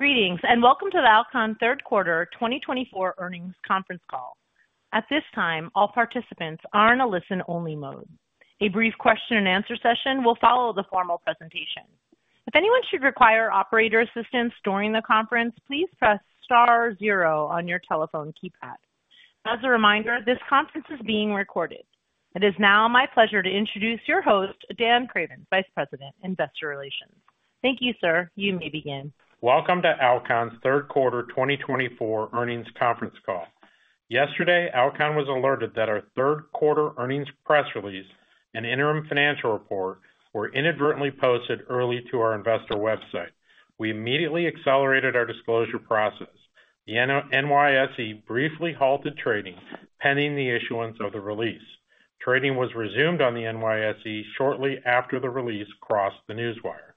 Greetings, and welcome to the Alcon Q3 2024 earnings conference call. At this time, all participants are in a listen-only mode. A brief question-and-answer session will follow the formal presentation. If anyone should require operator assistance during the conference, please press star zero on your telephone keypad. As a reminder, this conference is being recorded. It is now my pleasure to introduce your host, Dan Cravens, Vice President, Investor Relations. Thank you, sir. You may begin. Welcome to Alcon Q3 2024 earnings conference call. Yesterday, Alcon was alerted that our Q3 earnings press release and interim financial report were inadvertently posted early to our investor website. We immediately accelerated our disclosure process. The NYSE briefly halted trading pending the issuance of the release. Trading was resumed on the NYSE shortly after the release crossed the newswire.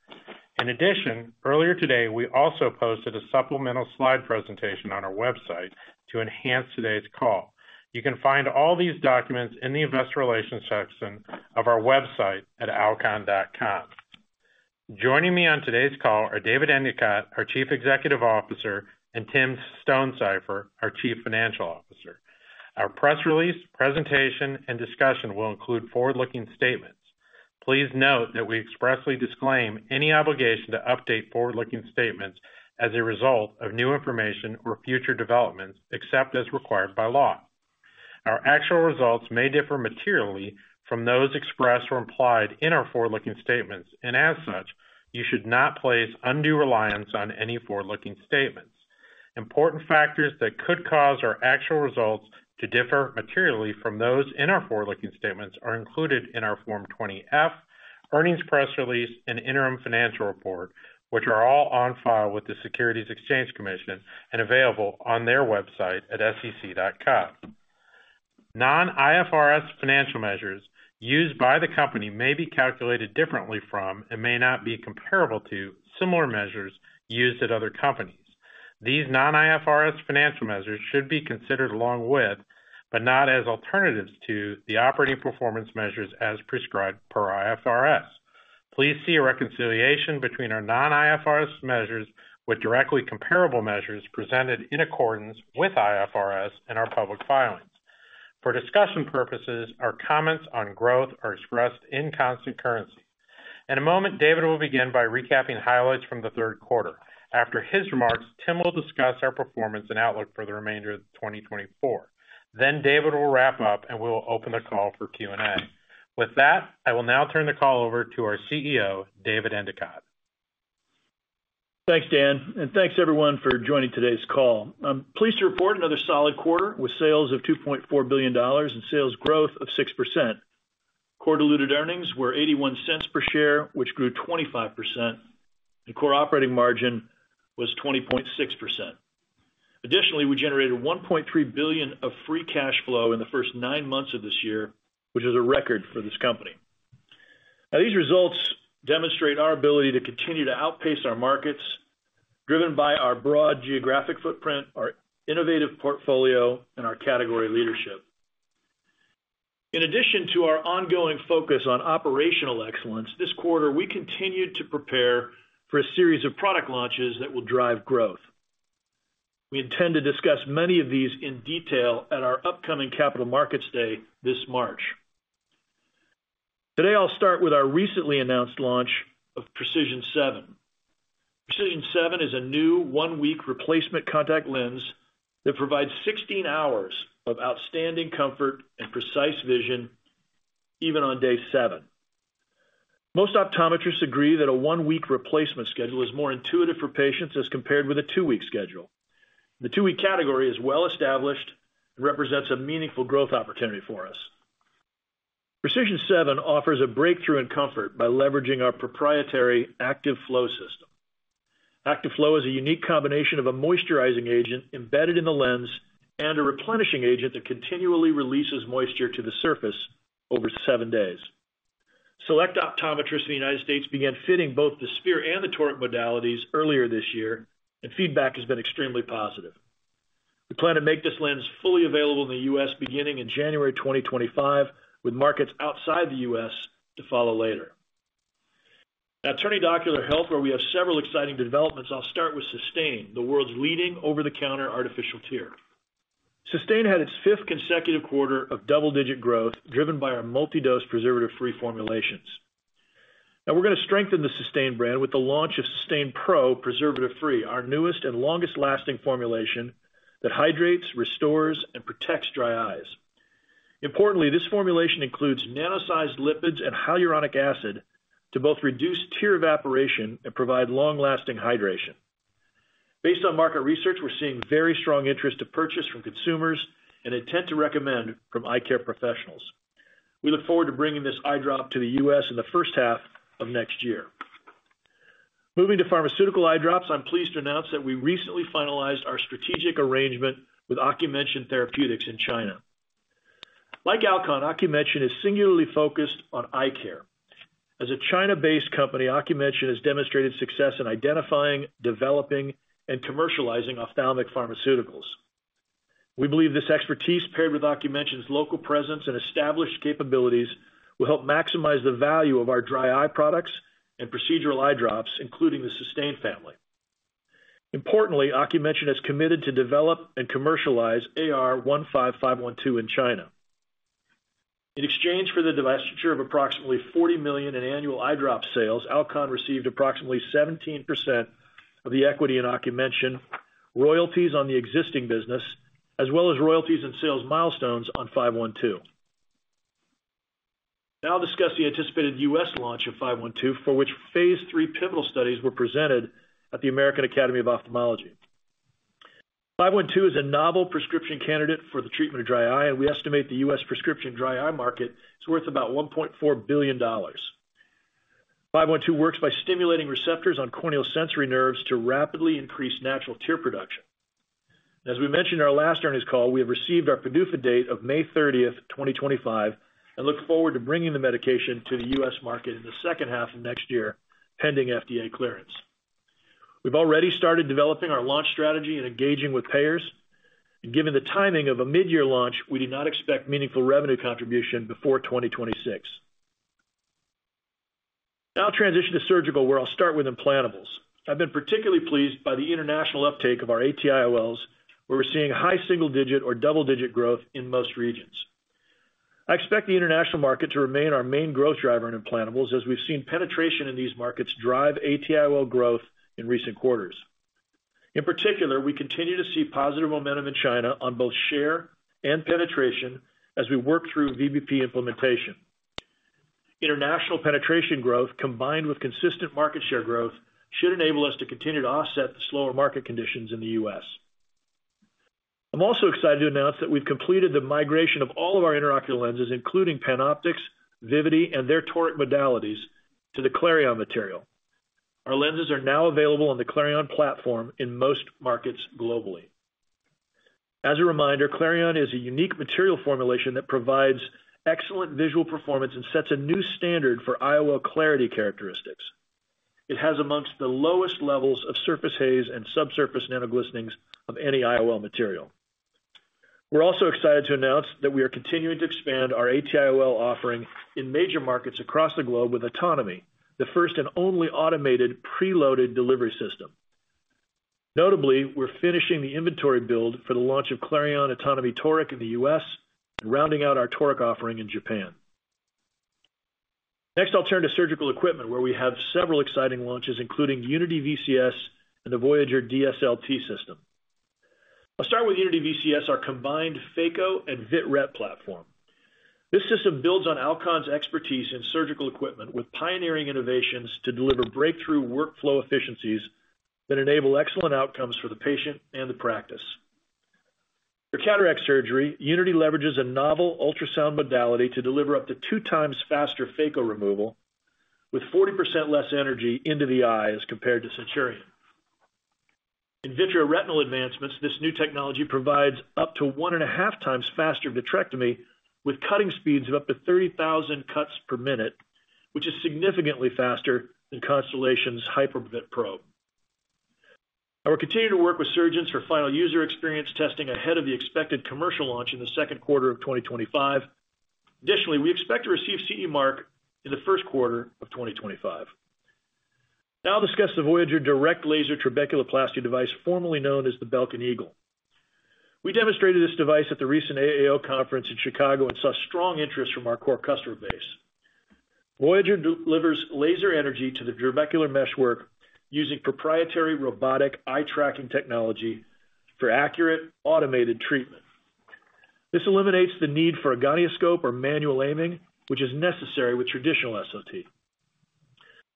In addition, earlier today, we also posted a supplemental slide presentation on our website to enhance today's call. You can find all these documents in the Investor Relations section of our website at alcon.com. Joining me on today's call are David Endicott, our Chief Executive Officer, and Tim Stonesifer, our Chief Financial Officer. Our press release, presentation, and discussion will include forward-looking statements. Please note that we expressly disclaim any obligation to update forward-looking statements as a result of new information or future developments except as required by law. Our actual results may differ materially from those expressed or implied in our forward-looking statements, and as such, you should not place undue reliance on any forward-looking statements. Important factors that could cause our actual results to differ materially from those in our forward-looking statements are included in our Form 20-F, earnings press release, and interim financial report, which are all on file with the Securities and Exchange Commission and available on their website at sec.gov. Non-IFRS financial measures used by the company may be calculated differently from and may not be comparable to similar measures used at other companies. These non-IFRS financial measures should be considered along with, but not as alternatives to, the operating performance measures as prescribed per IFRS. Please see a reconciliation between our non-IFRS measures with directly comparable measures presented in accordance with IFRS in our public filings. For discussion purposes, our comments on growth are expressed in constant currency. In a moment, David will begin by recapping highlights from Q3. After his remarks, Tim will discuss our performance and outlook for the remainder of 2024. Then David will wrap up, and we will open the call for Q&A. With that, I will now turn the call over to our CEO, David Endicott. Thanks, Dan, and thanks everyone for joining today's call. I'm pleased to report another solid quarter with sales of $2.4 billion and sales growth of 6%. Quarter-delivered earnings were $0.81 per share, which grew 25%, and core operating margin was 20.6%. Additionally, we generated $1.3 billion of free cash flow in the first nine months of this year, which is a record for this company. Now, these results demonstrate our ability to continue to outpace our markets, driven by our broad geographic footprint, our innovative portfolio, and our category leadership. In addition to our ongoing focus on operational excellence, this quarter we continued to prepare for a series of product launches that will drive growth. We intend to discuss many of these in detail at our upcoming Capital Markets Day this March. Today, I'll start with our recently announced launch of Precision 7. Precision 7 is a new one-week replacement contact lens that provides 16 hours of outstanding comfort and precise vision, even on day seven. Most optometrists agree that a one-week replacement schedule is more intuitive for patients as compared with a two-week schedule. The two-week category is well established and represents a meaningful growth opportunity for us. Precision 7 offers a breakthrough in comfort by leveraging our proprietary ActiveFlow system. ActiveFlow is a unique combination of a moisturizing agent embedded in the lens and a replenishing agent that continually releases moisture to the surface over seven days. Select optometrists in the United States began fitting both the sphere and the toric modalities earlier this year, and feedback has been extremely positive. We plan to make this lens fully available in the U.S. beginning in January 2025, with markets outside the U.S. to follow later. Now, turning to ocular health, where we have several exciting developments, I'll start with Systane, the world's leading over-the-counter artificial tear. Systane had its fifth consecutive quarter of double-digit growth, driven by our multi-dose preservative-free formulations. Now, we're going to strengthen the Systane brand with the launch of Systane Pro Preservative Free, our newest and longest-lasting formulation that hydrates, restores, and protects dry eyes. Importantly, this formulation includes nano-sized lipids and hyaluronic acid to both reduce tear evaporation and provide long-lasting hydration. Based on market research, we're seeing very strong interest to purchase from consumers and intent to recommend from eye care professionals. We look forward to bringing this eye drop to the U.S. in the first half of next year. Moving to pharmaceutical eye drops, I'm pleased to announce that we recently finalized our strategic arrangement with Ocumension Therapeutics in China. Like Alcon, Ocumension is singularly focused on eye care. As a China-based company, Ocumension has demonstrated success in identifying, developing, and commercializing ophthalmic pharmaceuticals. We believe this expertise, paired with Ocumension's local presence and established capabilities, will help maximize the value of our dry eye products and procedural eye drops, including the Systane family. Importantly, Ocumension has committed to develop and commercialize AR-15512 in China. In exchange for the divestiture of approximately $40 million in annual eye drop sales, Alcon received approximately 17% of the equity in Ocumension, royalties on the existing business, as well as royalties and sales milestones on 512. Now, I'll discuss the anticipated U.S. launch of 512, for which phase III pivotal studies were presented at the American Academy of Ophthalmology. 512 is a novel prescription candidate for the treatment of dry eye, and we estimate the U.S. Prescription dry eye market is worth about $1.4 billion. 512 works by stimulating receptors on corneal sensory nerves to rapidly increase natural tear production. As we mentioned in our last earnings call, we have received our PDUFA date of May 30, 2025, and look forward to bringing the medication to the U.S. market in the second half of next year, pending FDA clearance. We've already started developing our launch strategy and engaging with payers. Given the timing of a mid-year launch, we do not expect meaningful revenue contribution before 2026. Now, I'll transition to surgical, where I'll start with implantables. I've been particularly pleased by the international uptake of our ATIOLs, where we're seeing high single-digit or double-digit growth in most regions. I expect the international market to remain our main growth driver in implantables, as we've seen penetration in these markets drive ATIOL growth in recent quarters. In particular, we continue to see positive momentum in China on both share and penetration as we work through VBP implementation. International penetration growth, combined with consistent market share growth, should enable us to continue to offset the slower market conditions in the U.S. I'm also excited to announce that we've completed the migration of all of our intraocular lenses, including PanOptix, Vivity, and their toric modalities, to the Clareon material. Our lenses are now available on the Clareon platform in most markets globally. As a reminder, Clareon is a unique material formulation that provides excellent visual performance and sets a new standard for IOL clarity characteristics. It has among the lowest levels of surface haze and subsurface nanoglistenings of any IOL material. We're also excited to announce that we are continuing to expand our AT-IOL offering in major markets across the globe with AutonoMe, the first and only automated preloaded delivery system. Notably, we're finishing the inventory build for the launch of Clareon AutonoMe Toric in the U.S. and rounding out our toric offering in Japan. Next, I'll turn to surgical equipment, where we have several exciting launches, including Unity VCS and the Voyager DSLT system. I'll start with Unity VCS, our combined phaco and vit-ret platform. This system builds on Alcon's expertise in surgical equipment, with pioneering innovations to deliver breakthrough workflow efficiencies that enable excellent outcomes for the patient and the practice. For cataract surgery, Unity leverages a novel ultrasound modality to deliver up to two times faster phaco removal, with 40% less energy into the eye as compared to Centurion. In vitreoretinal advancements, this new technology provides up to one and a half times faster vitrectomy, with cutting speeds of up to 30,000 cuts per minute, which is significantly faster than Constellation's HyperVit probe. Now, we're continuing to work with surgeons for final user experience testing ahead of the expected commercial launch in the second quarter of 2025. Additionally, we expect to receive CE Mark in the first quarter of 2025. Now, I'll discuss the Voyager Direct Selective Laser Trabeculoplasty device, formerly known as the Belkin Eagle. We demonstrated this device at the recent AAO conference in Chicago and saw strong interest from our core customer base. Voyager delivers laser energy to the trabecular meshwork using proprietary robotic eye-tracking technology for accurate automated treatment. This eliminates the need for a gonioscope or manual aiming, which is necessary with traditional SLT.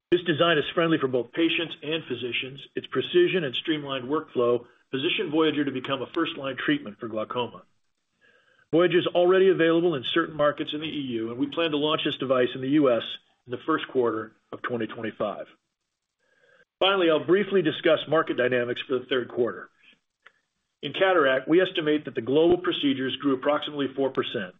This design is friendly for both patients and physicians. Its precision and streamlined workflow position Voyager to become a first-line treatment for glaucoma. Voyager is already available in certain markets in the EU, and we plan to launch this device in the U.S. in the first quarter of 2025. Finally, I'll briefly discuss market dynamics for the third quarter. In cataract, we estimate that the global procedures grew approximately 4%.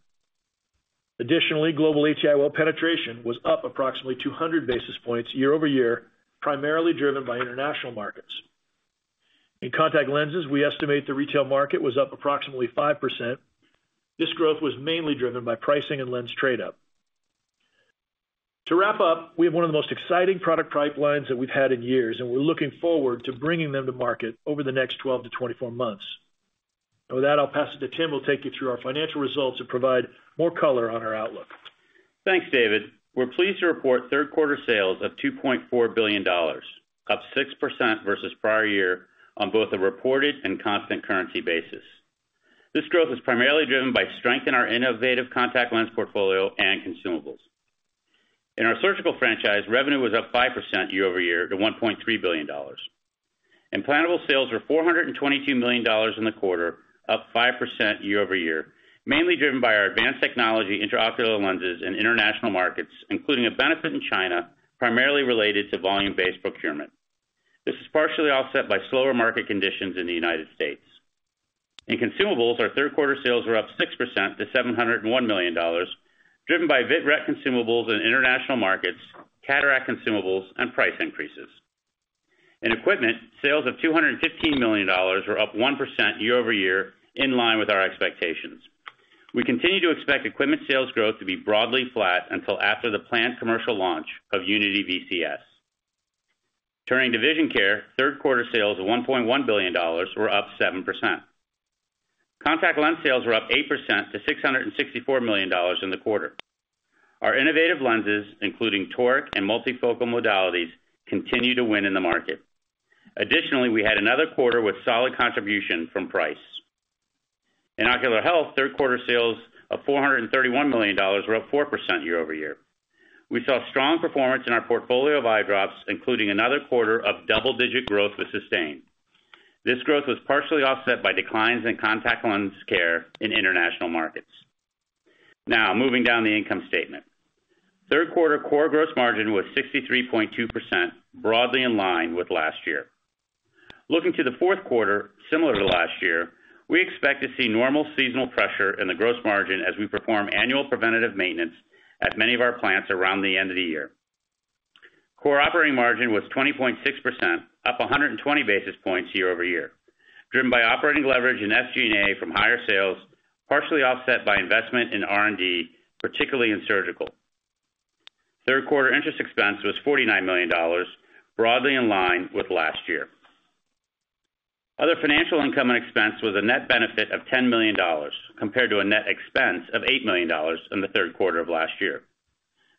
Additionally, global AT-IOL penetration was up approximately 200 basis points year over year, primarily driven by international markets. In contact lenses, we estimate the retail market was up approximately 5%. This growth was mainly driven by pricing and lens trade-up. To wrap up, we have one of the most exciting product pipelines that we've had in years, and we're looking forward to bringing them to market over the next 12-24 months. With that, I'll pass it to Tim, who will take you through our financial results and provide more color on our outlook. Thanks, David. We're pleased to report third-quarter sales of $2.4 billion, up 6% versus prior year on both a reported and constant currency basis. This growth is primarily driven by strength in our innovative contact lens portfolio and consumables. In our surgical franchise, revenue was up 5% year-over-year to $1.3 billion. Implantable sales were $422 million in the quarter, up 5% year-over-year, mainly driven by our advanced technology intraocular lenses and international markets, including a benefit in China primarily related to volume-based procurement. This is partially offset by slower market conditions in the United States. In consumables, our third-quarter sales were up 6% to $701 million, driven by vit-ret consumables in international markets, cataract consumables, and price increases. In equipment, sales of $215 million were up 1% year over year, in line with our expectations. We continue to expect equipment sales growth to be broadly flat until after the planned commercial launch of Unity VCS. Turning to vision care, third-quarter sales of $1.1 billion were up 7%. Contact lens sales were up 8% to $664 million in the quarter. Our innovative lenses, including toric and multifocal modalities, continue to win in the market. Additionally, we had another quarter with solid contribution from price. In ocular health, third-quarter sales of $431 million were up 4% year-over-year. We saw strong performance in our portfolio of eye drops, including another quarter of double-digit growth with Systane. This growth was partially offset by declines in contact lens care in international markets. Now, moving down the income statement, third-quarter core gross margin was 63.2%, broadly in line with last year. Looking to the fourth quarter, similar to last year, we expect to see normal seasonal pressure in the gross margin as we perform annual preventative maintenance at many of our plants around the end of the year. Core operating margin was 20.6%, up 120 basis points year-over-year, driven by operating leverage and SG&A from higher sales, partially offset by investment in R&D, particularly in surgical. Third-quarter interest expense was $49 million, broadly in line with last year. Other financial income and expense was a net benefit of $10 million, compared to a net expense of $8 million in the third quarter of last year.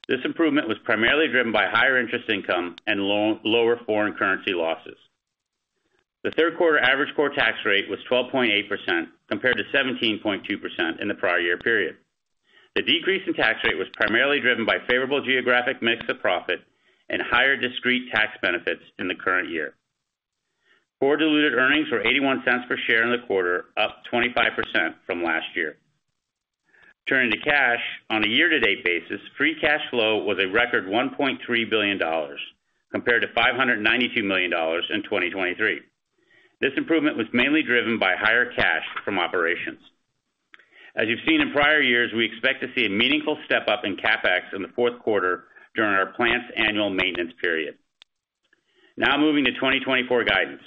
This improvement was primarily driven by higher interest income and lower foreign currency losses. The third-quarter average core tax rate was 12.8%, compared to 17.2% in the prior year period. The decrease in tax rate was primarily driven by favorable geographic mix of profit and higher discrete tax benefits in the current year. Core diluted earnings were $0.81 per share in the quarter, up 25% from last year. Turning to cash, on a year-to-date basis, free cash flow was a record $1.3 billion, compared to $592 million in 2023. This improvement was mainly driven by higher cash from operations. As you've seen in prior years, we expect to see a meaningful step-up in CapEx in the fourth quarter during our plant's annual maintenance period. Now, moving to 2024 guidance.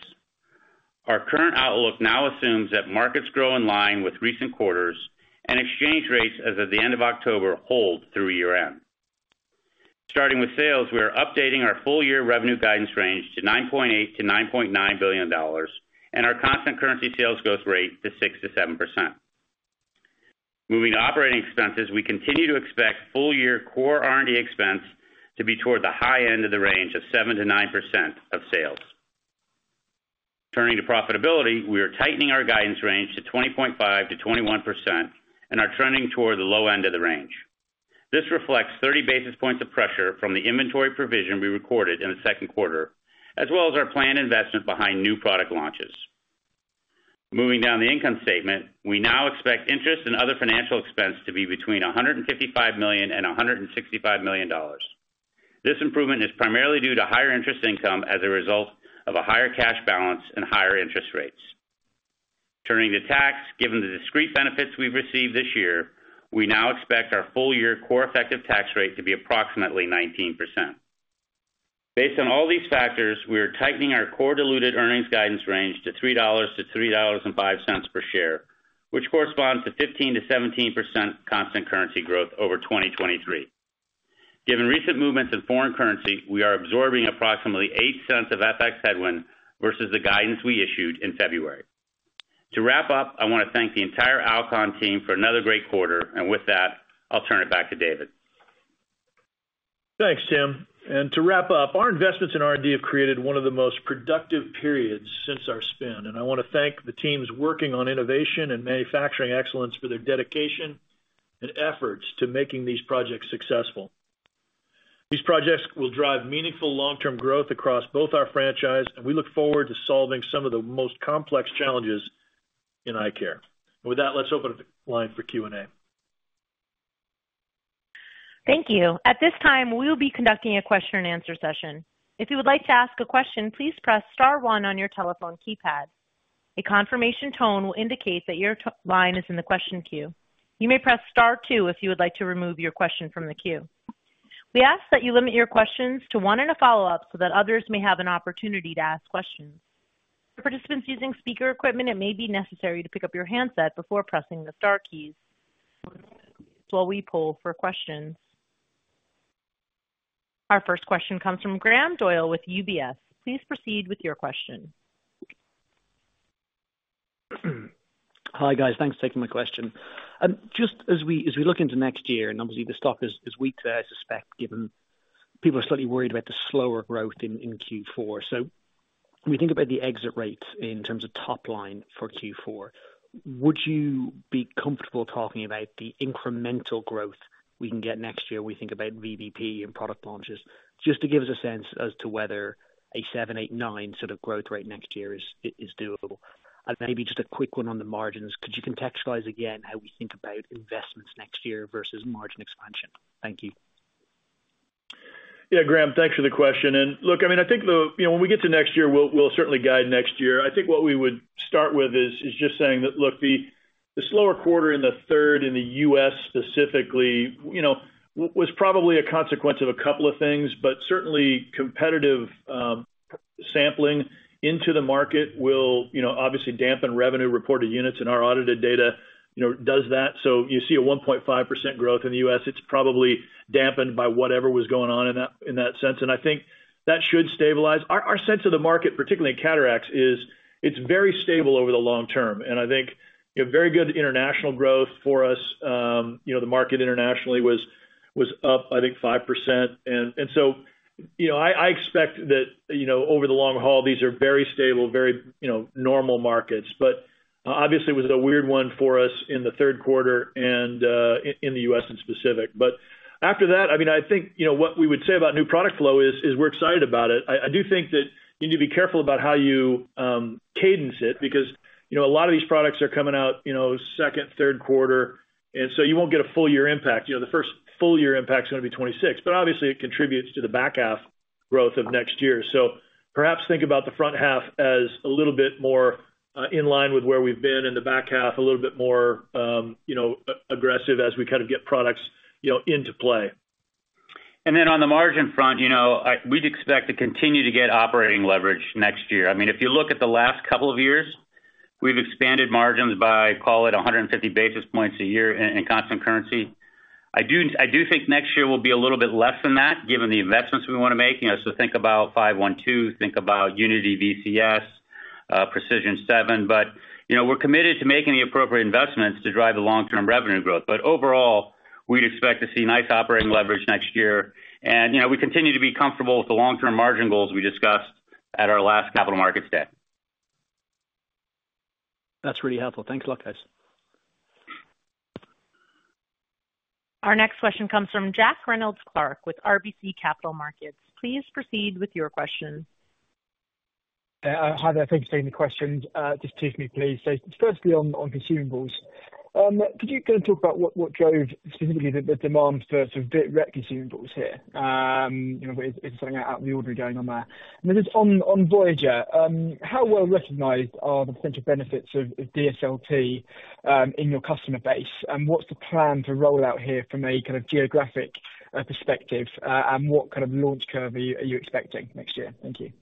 Our current outlook now assumes that markets grow in line with recent quarters, and exchange rates as of the end of October hold through year-end. Starting with sales, we are updating our full-year revenue guidance range to $9.8-$9.9 billion and our constant currency sales growth rate to 6%-7%. Moving to operating expenses, we continue to expect full-year core R&D expense to be toward the high end of the range of 7%-9% of sales. Turning to profitability, we are tightening our guidance range to 20.5%-21% and are trending toward the low end of the range. This reflects 30 basis points of pressure from the inventory provision we recorded in the second quarter, as well as our planned investment behind new product launches. Moving down the income statement, we now expect interest and other financial expense to be between $155 million and $165 million. This improvement is primarily due to higher interest income as a result of a higher cash balance and higher interest rates. Turning to tax, given the discrete benefits we've received this year, we now expect our full-year core effective tax rate to be approximately 19%. Based on all these factors, we are tightening our core diluted earnings guidance range to $3-$3.05 per share, which corresponds to 15%-17% constant currency growth over 2023. Given recent movements in foreign currency, we are absorbing approximately $0.08 of FX headwind versus the guidance we issued in February. To wrap up, I want to thank the entire Alcon team for another great quarter, and with that, I'll turn it back to David. Thanks, Tim. And to wrap up, our investments in R&D have created one of the most productive periods since our spin, and I want to thank the teams working on innovation and manufacturing excellence for their dedication and efforts to making these projects successful. These projects will drive meaningful long-term growth across both our franchise, and we look forward to solving some of the most complex challenges in eye care. With that, let's open up the line for Q&A. Thank you. At this time, we'll be conducting a question-and-answer session. If you would like to ask a question, please press Star one on your telephone keypad. A confirmation tone will indicate that your line is in the question queue. You may press Star one if you would like to remove your question from the queue. We ask that you limit your questions to one and a follow-up so that others may have an opportunity to ask questions. For participants using speaker equipment, it may be necessary to pick up your handset before pressing the Star keys while we poll for questions. Our first question comes from Graham Doyle with UBS. Please proceed with your question. Hi, guys. Thanks for taking my question. Just as we look into next year, and obviously, the stock is weak there, I suspect, given people are slightly worried about the slower growth in Q4. So we think about the exit rates in terms of top line for Q4. Would you be comfortable talking about the incremental growth we can get next year when we think about VBP and product launches? Just to give us a sense as to whether a 7%, 8%, 9% sort of growth rate next year is doable. And maybe just a quick one on the margins, could you contextualize again how we think about investments next year versus margin expansion? Thank you. Yeah, Graham, thanks for the question. And look, I mean, I think when we get to next year, we'll certainly guide next year. I think what we would start with is just saying that, look, the slower quarter in the third, in the U.S. specifically, was probably a consequence of a couple of things, but certainly competitive sampling into the market will obviously dampen revenue reported units, and our audited data does that. So you see a 1.5% growth in the U.S., it's probably dampened by whatever was going on in that sense. And I think that should stabilize. Our sense of the market, particularly in cataracts, is it's very stable over the long term. And I think very good international growth for us. The market internationally was up, I think, 5%. And so I expect that over the long haul, these are very stable, very normal markets. But obviously, it was a weird one for us in the third quarter and in the U.S. in specific. But after that, I mean, I think what we would say about new product flow is we're excited about it. I do think that you need to be careful about how you cadence it because a lot of these products are coming out second, third quarter, and so you won't get a full-year impact. The first full-year impact is going to be 2026, but obviously, it contributes to the back half growth of next year. So perhaps think about the front half as a little bit more in line with where we've been in the back half, a little bit more aggressive as we kind of get products into play. And then on the margin front, we'd expect to continue to get operating leverage next year. I mean, if you look at the last couple of years, we've expanded margins by, call it, 150 basis points a year in constant currency. I do think next year will be a little bit less than that, given the investments we want to make. So think about 512, think about Unity VCS, Precision 7. But we're committed to making the appropriate investments to drive the long-term revenue growth. But overall, we'd expect to see nice operating leverage next year. And we continue to be comfortable with the long-term margin goals we discussed at our last Capital Markets Day. That's really helpful. Thanks a lot, guys. Our next question comes from Jack Reynolds-Clark with RBC Capital Markets. Please proceed with your question. Hi, thank you for taking the question. Just two for me, please. So firstly, on consumables, could you kind of talk about what drove specifically the demand for sort of Vit-Ret consumables here? Is there something out of the ordinary going on there? And this is on Voyager. How well recognized are the potential benefits of DSLT in your customer base? And what's the plan for rollout here from a kind of geographic perspective? And what kind of launch curve are you expecting next year? Thank you.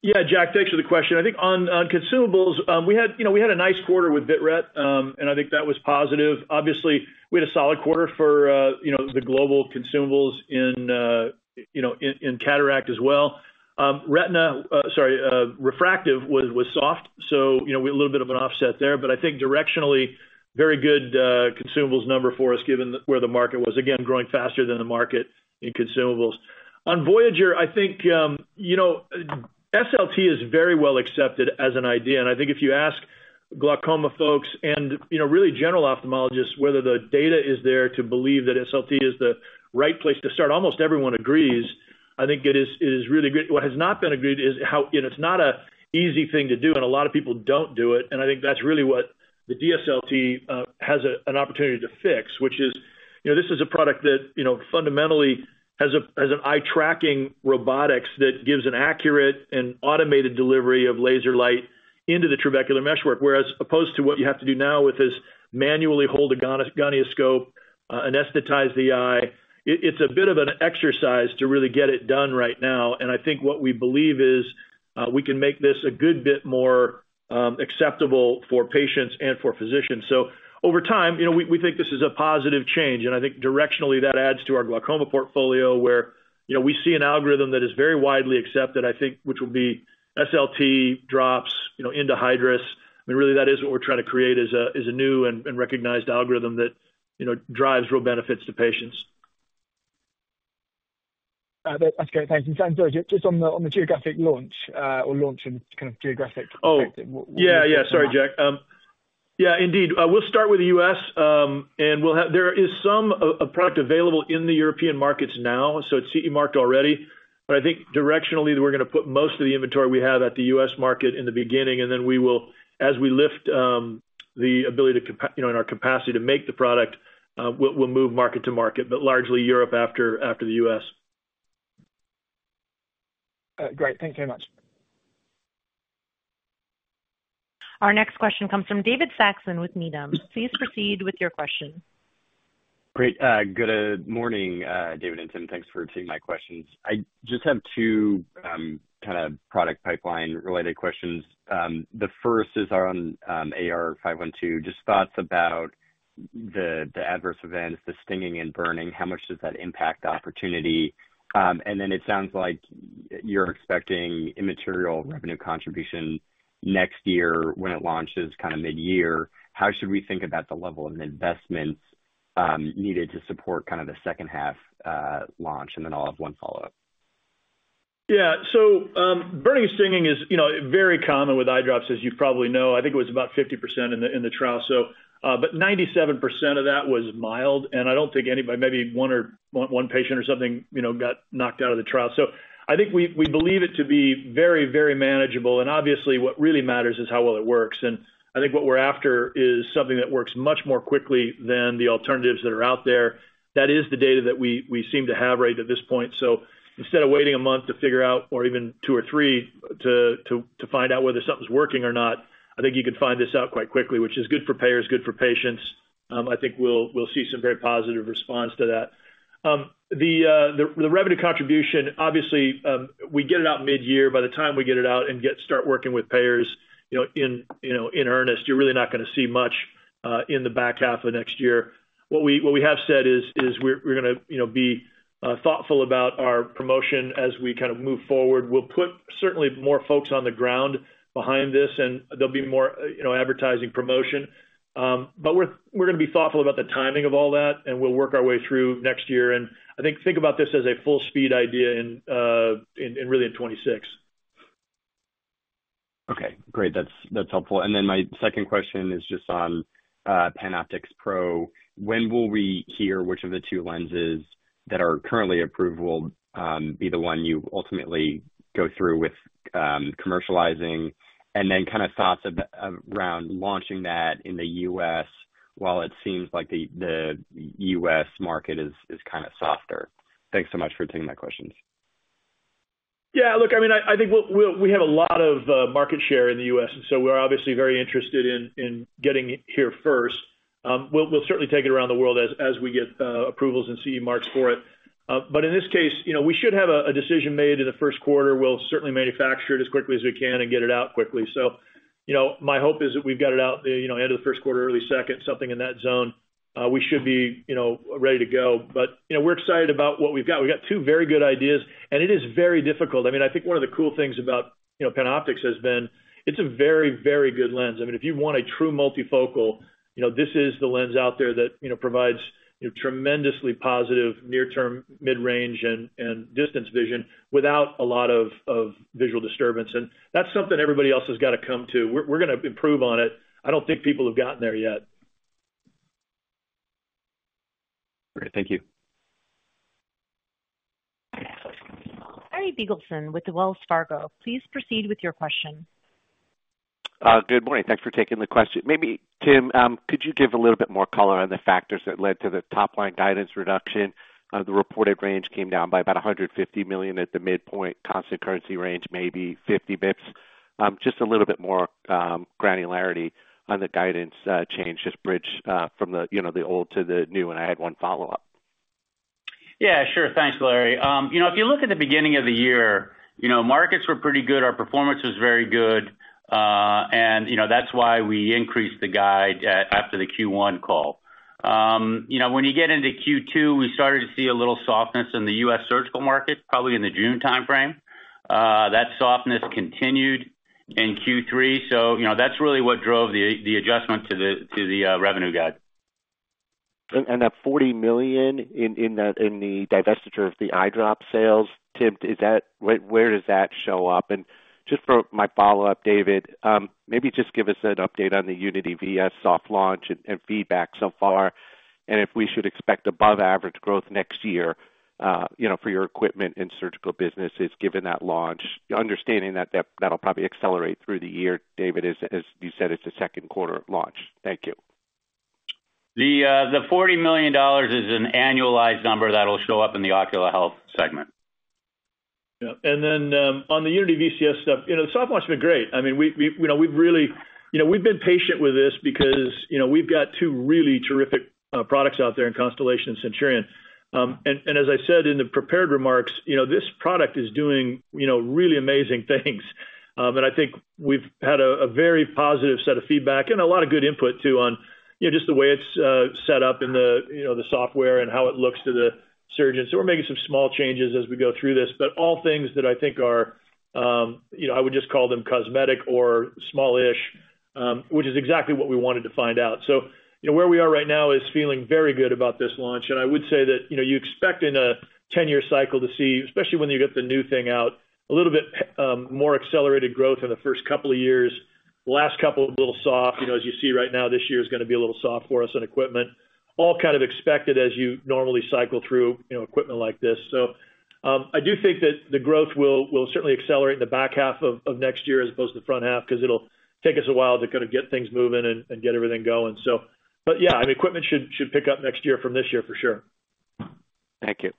Yeah, Jack, thanks for the question. I think on consumables, we had a nice quarter with vit-ret, and I think that was positive. Obviously, we had a solid quarter for the global consumables in cataract as well. Retina, sorry, refractive was soft, so we had a little bit of an offset there. But I think directionally, very good consumables number for us, given where the market was, again, growing faster than the market in consumables. On Voyager, I think SLT is very well accepted as an idea. And I think if you ask glaucoma folks and really general ophthalmologists whether the data is there to believe that SLT is the right place to start, almost everyone agrees. I think it is really good. What has not been agreed is how it's not an easy thing to do, and a lot of people don't do it. And I think that's really what the DSLT has an opportunity to fix, which is this is a product that fundamentally has eye-tracking robotics that gives an accurate and automated delivery of laser light into the trabecular meshwork, as opposed to what you have to do now with having to manually hold a gonioscope, anesthetize the eye, it's a bit of an exercise to really get it done right now. And I think what we believe is we can make this a good bit more acceptable for patients and for physicians. So over time, we think this is a positive change. And I think directionally, that adds to our glaucoma portfolio where we see an algorithm that is very widely accepted, I think, which will be SLT drops into Hydrus. I mean, really, that is what we're trying to create is a new and recognized algorithm that drives real benefits to patients. That's great. Thanks. And just on the geographic launch or launch in kind of geographic perspective. Oh, yeah, yeah. Sorry, Jack. Yeah, indeed. We'll start with the U.S. There is some product available in the European markets now, so it's CE marked already. But I think directionally, we're going to put most of the inventory we have at the U.S. market in the beginning, and then as we lift the ability in our capacity to make the product, we'll move market to market, but largely Europe after the U.S. Great. Thanks very much. Our next question comes from David Saxon with Needham. Please proceed with your question. Great. Good morning, David and Tim. Thanks for taking my questions. I just have two kind of product pipeline-related questions. The first is on AR512. Just thoughts about the adverse events, the stinging and burning, how much does that impact the opportunity? And then it sounds like you're expecting immaterial revenue contribution next year when it launches kind of mid-year. How should we think about the level of investments needed to support kind of the second-half launch? And then I'll have one follow-up. Yeah. So burning and stinging is very common with eye drops, as you probably know. I think it was about 50% in the trial. But 97% of that was mild, and I don't think anybody, maybe one patient or something, got knocked out of the trial. So I think we believe it to be very, very manageable. And obviously, what really matters is how well it works. And I think what we're after is something that works much more quickly than the alternatives that are out there. That is the data that we seem to have right at this point. So instead of waiting a month to figure out, or even two or three, to find out whether something's working or not, I think you can find this out quite quickly, which is good for payers, good for patients. I think we'll see some very positive response to that. The revenue contribution, obviously, we get it out mid-year. By the time we get it out and start working with payers in earnest, you're really not going to see much in the back half of next year. What we have said is we're going to be thoughtful about our promotion as we kind of move forward. We'll put certainly more folks on the ground behind this, and there'll be more advertising promotion. But we're going to be thoughtful about the timing of all that, and we'll work our way through next year, and I think about this as a full-speed idea and really in 2026. Okay. Great. That's helpful. And then my second question is just on PanOptix Pro. When will we hear which of the two lenses that are currently approved will be the one you ultimately go through with commercializing? And then kind of thoughts around launching that in the U.S. while it seems like the U.S. market is kind of softer. Thanks so much for taking my questions. Yeah. Look, I mean, I think we have a lot of market share in the U.S., and so we're obviously very interested in getting here first. We'll certainly take it around the world as we get approvals and CE marks for it. But in this case, we should have a decision made in the first quarter. We'll certainly manufacture it as quickly as we can and get it out quickly. So my hope is that we've got it out the end of the first quarter, early second, something in that zone. We should be ready to go. But we're excited about what we've got. We've got two very good ideas, and it is very difficult. I mean, I think one of the cool things about PanOptix has been it's a very, very good lens. I mean, if you want a true multifocal, this is the lens out there that provides tremendously positive near, mid-range, and distance vision without a lot of visual disturbance. And that's something everybody else has got to come to. We're going to improve on it. I don't think people have gotten there yet. Okay. Thank you. Larry Biegelsen with Wells Fargo. Please proceed with your question. Good morning. Thanks for taking the question. Maybe, Tim, could you give a little bit more color on the factors that led to the top line guidance reduction? The reported range came down by about $150 million at the midpoint, constant currency range, maybe 50 basis points. Just a little bit more granularity on the guidance change, just bridge from the old to the new, and I had one follow-up. Yeah, sure. Thanks, Larry. If you look at the beginning of the year, markets were pretty good. Our performance was very good, and that's why we increased the guide after the Q1 call. When you get into Q2, we started to see a little softness in the U.S. surgical market, probably in the June timeframe. That softness continued in Q3, so that's really what drove the adjustment to the revenue guide. And that $40 million in the divestiture of the eye drop sales, Tim, where does that show up? And just for my follow-up, David, maybe just give us an update on the Unity VCS soft launch and feedback so far, and if we should expect above-average growth next year for your equipment and surgical businesses given that launch, understanding that that'll probably accelerate through the year, David, as you said, it's a second quarter launch. Thank you. The $40 million is an annualized number that'll show up in the ocular health segment. Yeah. And then on the Unity VCS stuff, the soft launch has been great. I mean, we've really been patient with this because we've got two really terrific products out there in Constellation and Centurion. And as I said in the prepared remarks, this product is doing really amazing things. And I think we've had a very positive set of feedback and a lot of good input too on just the way it's set up in the software and how it looks to the surgeons. So we're making some small changes as we go through this, but all things that I think are I would just call them cosmetic or smallish, which is exactly what we wanted to find out. So where we are right now is feeling very good about this launch. I would say that you expect in a 10-year cycle to see, especially when you get the new thing out, a little bit more accelerated growth in the first couple of years. The last couple are a little soft, as you see right now. This year is going to be a little soft for us on equipment, all kind of expected as you normally cycle through equipment like this. So I do think that the growth will certainly accelerate in the back half of next year as opposed to the front half because it'll take us a while to kind of get things moving and get everything going. But yeah, I mean, equipment should pick up next year from this year for sure. Thank you.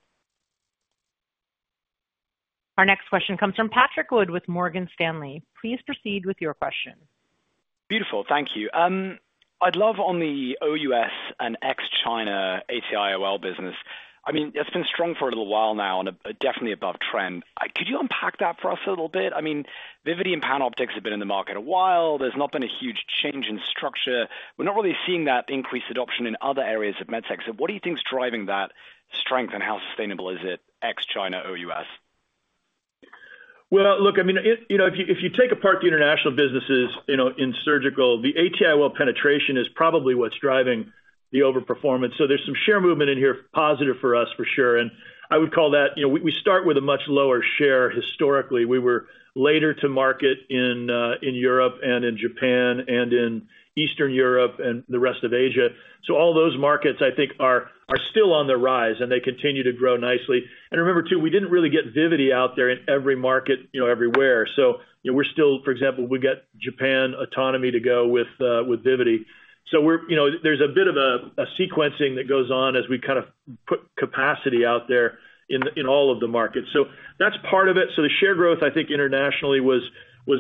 Our next question comes from Patrick Wood with Morgan Stanley. Please proceed with your question. Beautiful. Thank you. I'd love on the OUS and ex-China AT-IOL business. I mean, it's been strong for a little while now and definitely above trend. Could you unpack that for us a little bit? I mean, Vivity and PanOptix have been in the market a while. There's not been a huge change in structure. We're not really seeing that increased adoption in other areas of med tech. So what do you think is driving that strength and how sustainable is it ex-China, OUS? Look, I mean, if you take apart the international businesses in surgical, the AT-IOL penetration is probably what's driving the overperformance. There's some share movement in here positive for us for sure. I would call that we start with a much lower share historically. We were later to market in Europe and in Japan and in Eastern Europe and the rest of Asia. All those markets, I think, are still on the rise, and they continue to grow nicely. Remember too, we didn't really get Vivity out there in every market everywhere. We're still, for example, we got Japan AutonoMe to go with Vivity. There's a bit of a sequencing that goes on as we kind of put capacity out there in all of the markets. That's part of it. The share growth, I think, internationally was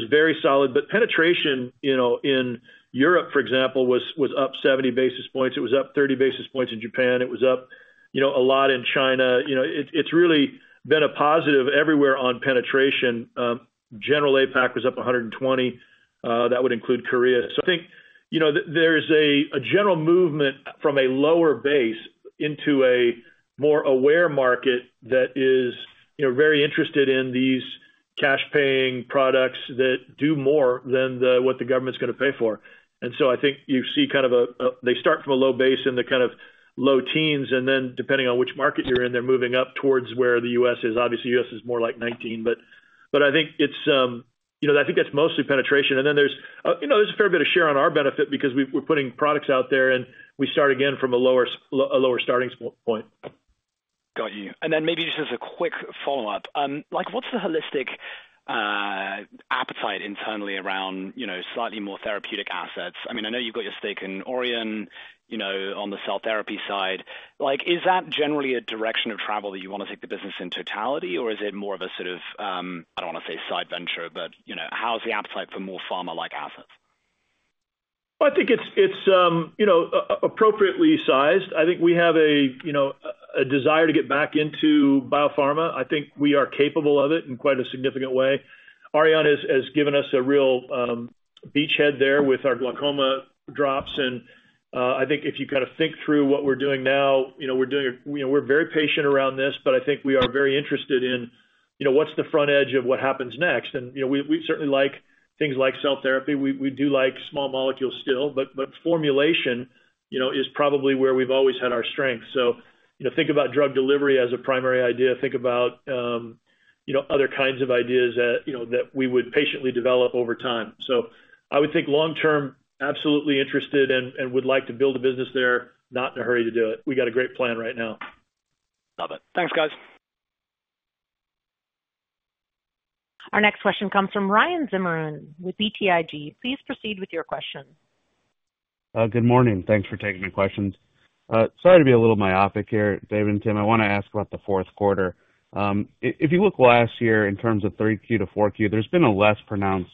very solid. But penetration in Europe, for example, was up 70 basis points. It was up 30 basis points in Japan. It was up a lot in China. It's really been a positive everywhere on penetration. General APAC was up 120. That would include Korea. So I think there is a general movement from a lower base into a more aware market that is very interested in these cash-paying products that do more than what the government's going to pay for. And so I think you see kind of they start from a low base in the kind of low teens, and then depending on which market you're in, they're moving up towards where the U.S. is. Obviously, U.S. is more like 19. But I think that's mostly penetration. And then there's a fair bit of share on our benefit because we're putting products out there, and we start again from a lower starting point. Got you. And then maybe just as a quick follow-up, what's the holistic appetite internally around slightly more therapeutic assets? I mean, I know you've got your stake in Aurion on the cell therapy side. Is that generally a direction of travel that you want to take the business in totality, or is it more of a sort of, I don't want to say side venture, but how's the appetite for more pharma-like assets? I think it's appropriately sized. I think we have a desire to get back into biopharma. I think we are capable of it in quite a significant way. Aerie has given us a real beachhead there with our glaucoma drops. I think if you kind of think through what we're doing now, we're very patient around this, but I think we are very interested in what's the front edge of what happens next. We certainly like things like cell therapy. We do like small molecules still, but formulation is probably where we've always had our strength. Think about drug delivery as a primary idea. Think about other kinds of ideas that we would patiently develop over time. I would think long-term, absolutely interested and would like to build a business there, not in a hurry to do it. We got a great plan right now. Love it. Thanks, guys. Our next question comes from Ryan Zimmerman with BTIG. Please proceed with your question. Good morning. Thanks for taking my questions. Sorry to be a little myopic here, David and Tim. I want to ask about the fourth quarter. If you look last year in terms of 3Q to 4Q, there's been a less pronounced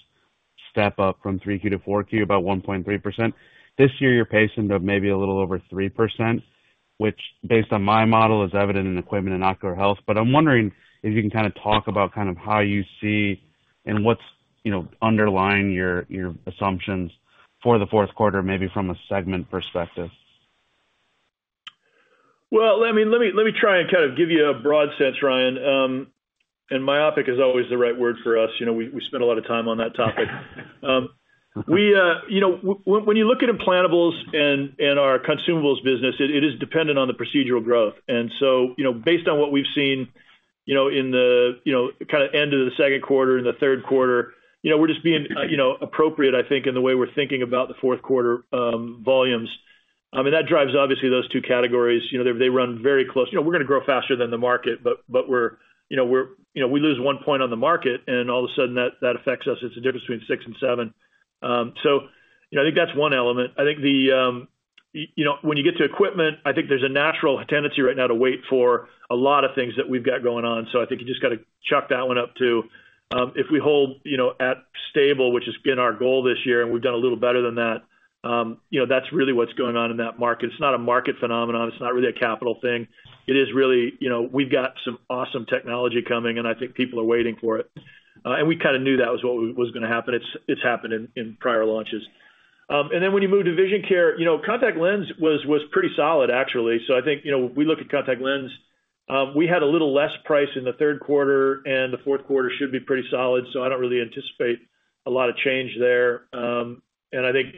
step up from 3Q to 4Q, about 1.3%. This year, you're pacing to maybe a little over 3%, which based on my model is evident in equipment and ocular health. But I'm wondering if you can kind of talk about kind of how you see and what's underlying your assumptions for the fourth quarter, maybe from a segment perspective. I mean, let me try and kind of give you a broad sense, Ryan. Myopic is always the right word for us. We spend a lot of time on that topic. When you look at implantables and our consumables business, it is dependent on the procedural growth. So based on what we've seen in the kind of end of the second quarter and the third quarter, we're just being appropriate, I think, in the way we're thinking about the fourth quarter volumes. I mean, that drives obviously those two categories. They run very close. We're going to grow faster than the market, but we lose one point on the market, and all of a sudden, that affects us. It's a difference between six and seven. I think that's one element. I think when you get to equipment, I think there's a natural tendency right now to wait for a lot of things that we've got going on. So I think you just got to chalk that one up too. If we hold at stable, which has been our goal this year, and we've done a little better than that, that's really what's going on in that market. It's not a market phenomenon. It's not really a capital thing. It is really we've got some awesome technology coming, and I think people are waiting for it. And we kind of knew that was what was going to happen. It's happened in prior launches. And then when you move to Vision Care, contact lens was pretty solid, actually. I think if we look at Contact Lens, we had a little less price in the third quarter, and the fourth quarter should be pretty solid. I don't really anticipate a lot of change there. I think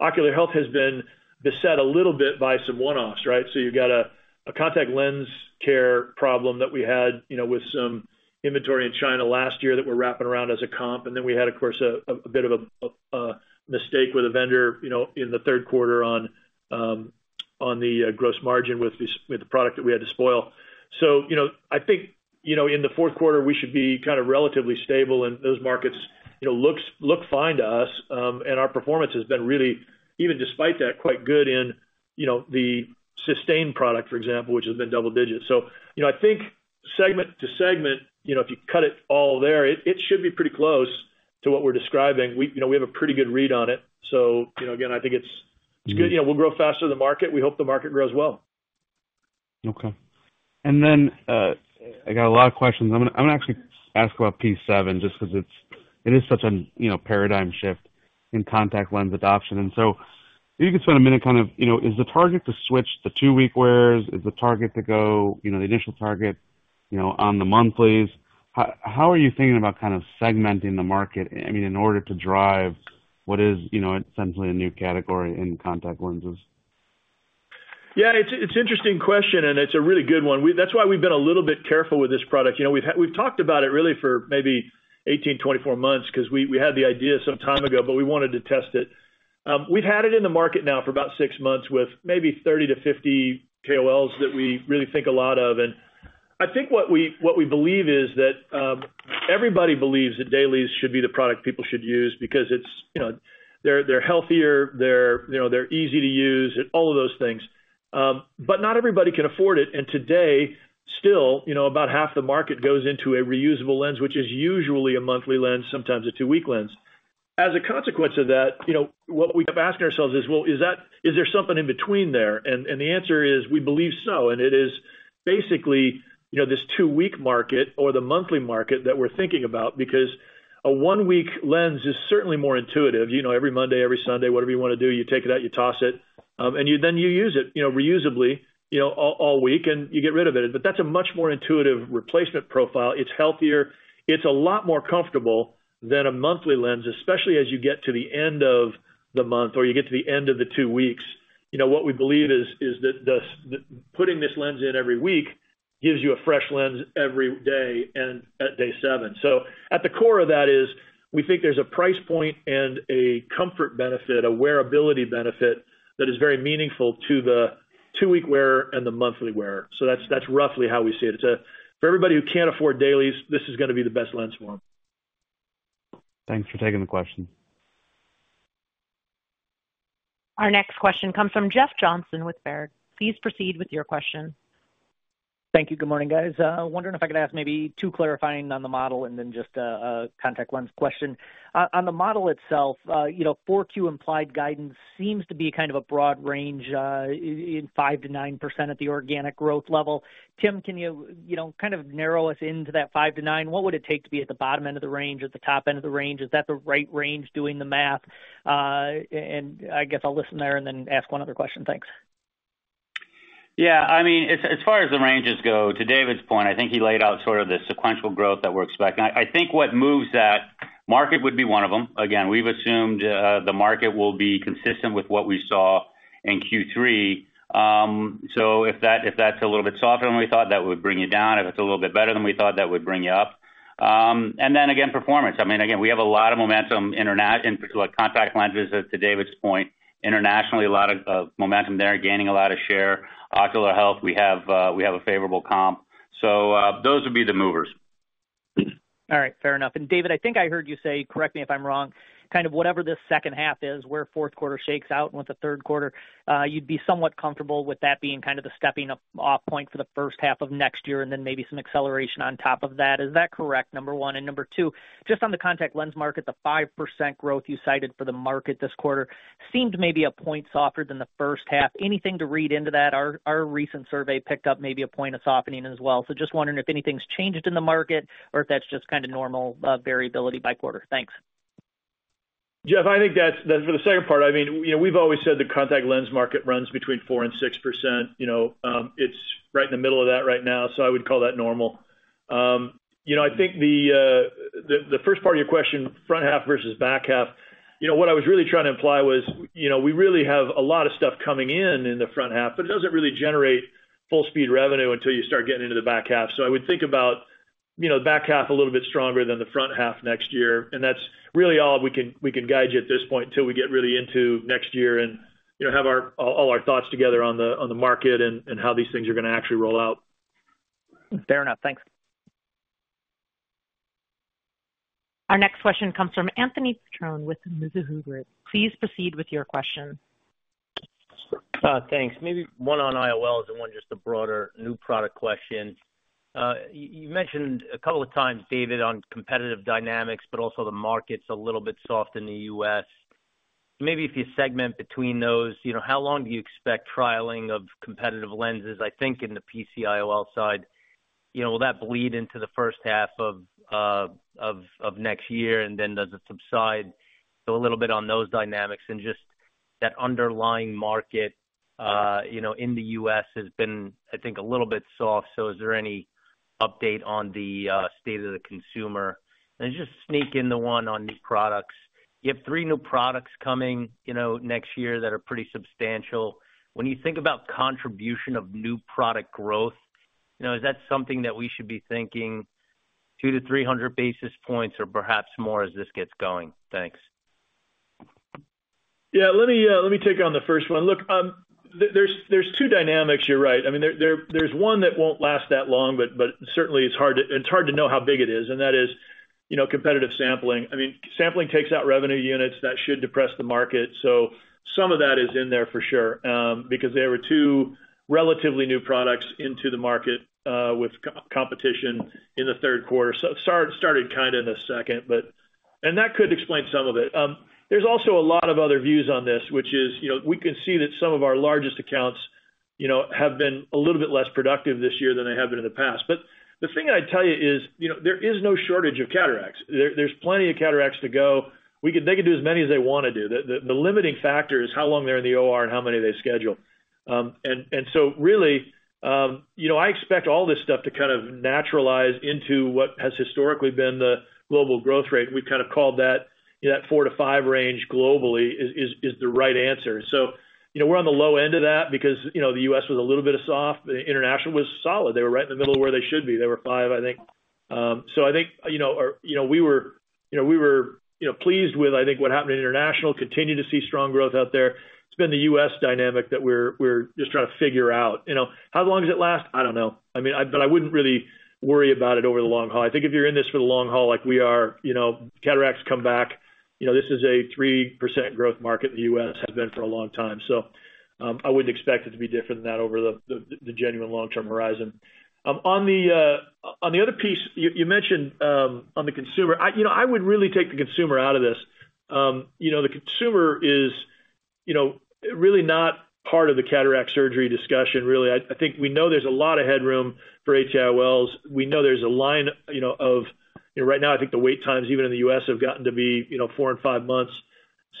Ocular Health has been beset a little bit by some one-offs, right? You've got a contact lens care problem that we had with some inventory in China last year that we're lapping as a comp. Then we had, of course, a bit of a mistake with a vendor in the third quarter on the gross margin with the product that we had to spoil. I think in the fourth quarter, we should be kind of relatively stable, and those markets look fine to us. Our performance has been really, even despite that, quite good in the Systane product, for example, which has been double digits. So I think segment to segment, if you cut it all there, it should be pretty close to what we're describing. We have a pretty good read on it. So again, I think it's good. We'll grow faster than the market. We hope the market grows well. Okay. And then I got a lot of questions. I'm going to actually ask about P7 just because it is such a paradigm shift in contact lens adoption. And so if you could spend a minute kind of, is the target to switch the two-week wears? Is the target to go the initial target on the monthlies? How are you thinking about kind of segmenting the market, I mean, in order to drive what is essentially a new category in contact lenses? Yeah, it's an interesting question, and it's a really good one. That's why we've been a little bit careful with this product. We've talked about it really for maybe 18, 24 months because we had the idea some time ago, but we wanted to test it. We've had it in the market now for about six months with maybe 30 to 50 KOLs that we really think a lot of. And I think what we believe is that everybody believes that dailies should be the product people should use because they're healthier, they're easy to use, all of those things. But not everybody can afford it. And today, still, about half the market goes into a reusable lens, which is usually a monthly lens, sometimes a two-week lens. As a consequence of that, what we kept asking ourselves is, well, is there something in between there? And the answer is we believe so. And it is basically this two-week market or the monthly market that we're thinking about because a one-week lens is certainly more intuitive. Every Monday, every Sunday, whatever you want to do, you take it out, you toss it, and then you use it reusably all week, and you get rid of it. But that's a much more intuitive replacement profile. It's healthier. It's a lot more comfortable than a monthly lens, especially as you get to the end of the month or you get to the end of the two weeks. What we believe is that putting this lens in every week gives you a fresh lens every day and at day seven. So at the core of that is we think there's a price point and a comfort benefit, a wearability benefit that is very meaningful to the two-week wearer and the monthly wearer. So that's roughly how we see it. For everybody who can't afford dailies, this is going to be the best lens for them. Thanks for taking the question. Our next question comes from Jeff Johnson with Baird. Please proceed with your question. Thank you. Good morning, guys. Wondering if I could ask maybe two clarifying on the model and then just a contact lens question. On the model itself, 4Q implied guidance seems to be kind of a broad range in 5%-9% at the organic growth level. Tim, can you kind of narrow us into that 5%-9%? What would it take to be at the bottom end of the range, at the top end of the range? Is that the right range doing the math? And I guess I'll listen there and then ask one other question. Thanks. Yeah. I mean, as far as the ranges go, to David's point, I think he laid out sort of the sequential growth that we're expecting. I think what moves that market would be one of them. Again, we've assumed the market will be consistent with what we saw in Q3. So if that's a little bit softer than we thought, that would bring you down. If it's a little bit better than we thought, that would bring you up. And then again, performance. I mean, again, we have a lot of momentum in contact lenses to David's point. Internationally, a lot of momentum there, gaining a lot of share. Ocular health, we have a favorable comp. So those would be the movers. All right. Fair enough. And David, I think I heard you say, correct me if I'm wrong, kind of whatever this second half is, where fourth quarter shakes out and what the third quarter, you'd be somewhat comfortable with that being kind of the stepping off point for the first half of next year and then maybe some acceleration on top of that. Is that correct, number one? And number two, just on the contact lens market, the 5% growth you cited for the market this quarter seemed maybe a point softer than the first half. Anything to read into that? Our recent survey picked up maybe a point of softening as well. So just wondering if anything's changed in the market or if that's just kind of normal variability by quarter. Thanks. Jeff, I think that for the second part, I mean, we've always said the contact lens market runs between 4% and 6%. It's right in the middle of that right now. So I would call that normal. I think the first part of your question, front half versus back half, what I was really trying to imply was we really have a lot of stuff coming in in the front half, but it doesn't really generate full-speed revenue until you start getting into the back half. So I would think about the back half a little bit stronger than the front half next year, and that's really all we can guide you at this point until we get really into next year and have all our thoughts together on the market and how these things are going to actually roll out. Fair enough. Thanks. Our next question comes from Anthony Petrone with Mizuho. Please proceed with your question. Thanks. Maybe one on IOLs and one just a broader new product question. You mentioned a couple of times, David, on competitive dynamics, but also the market's a little bit soft in the U.S. Maybe if you segment between those, how long do you expect trialing of competitive lenses? I think in the PC-IOL side, will that bleed into the first half of next year? And then does it subside a little bit on those dynamics? And just that underlying market in the U.S. has been, I think, a little bit soft. So is there any update on the state of the consumer? And just sneak in the one on new products. You have three new products coming next year that are pretty substantial. When you think about contribution of new product growth, is that something that we should be thinking two to 300 basis points or perhaps more as this gets going? Thanks. Yeah. Let me take on the first one. Look, there's two dynamics, you're right. I mean, there's one that won't last that long, but certainly, it's hard to know how big it is. And that is competitive sampling. I mean, sampling takes out revenue units that should depress the market. So some of that is in there for sure because there were two relatively new products into the market with competition in the third quarter. So it started kind of in the second, but that could explain some of it. There's also a lot of other views on this, which is we can see that some of our largest accounts have been a little bit less productive this year than they have been in the past. But the thing I'd tell you is there is no shortage of cataracts. There's plenty of cataracts to go. They could do as many as they want to do. The limiting factor is how long they're in the OR and how many they schedule, and so really, I expect all this stuff to kind of naturalize into what has historically been the global growth rate. We've kind of called that four to five range globally is the right answer, so we're on the low end of that because the U.S. was a little bit soft. International was solid. They were right in the middle of where they should be. They were five, I think. So I think we were pleased with, I think, what happened in international. Continue to see strong growth out there. It's been the U.S. dynamic that we're just trying to figure out. How long does it last? I don't know. I mean, but I wouldn't really worry about it over the long haul. I think if you're in this for the long haul like we are, cataracts come back. This is a 3% growth market in the U.S. It has been for a long time. So I wouldn't expect it to be different than that over the genuine long-term horizon. On the other piece, you mentioned on the consumer, I would really take the consumer out of this. The consumer is really not part of the cataract surgery discussion, really. I think we know there's a lot of headroom for AT-IOLs. We know there's a line out right now. I think the wait times even in the U.S. have gotten to be four and five months.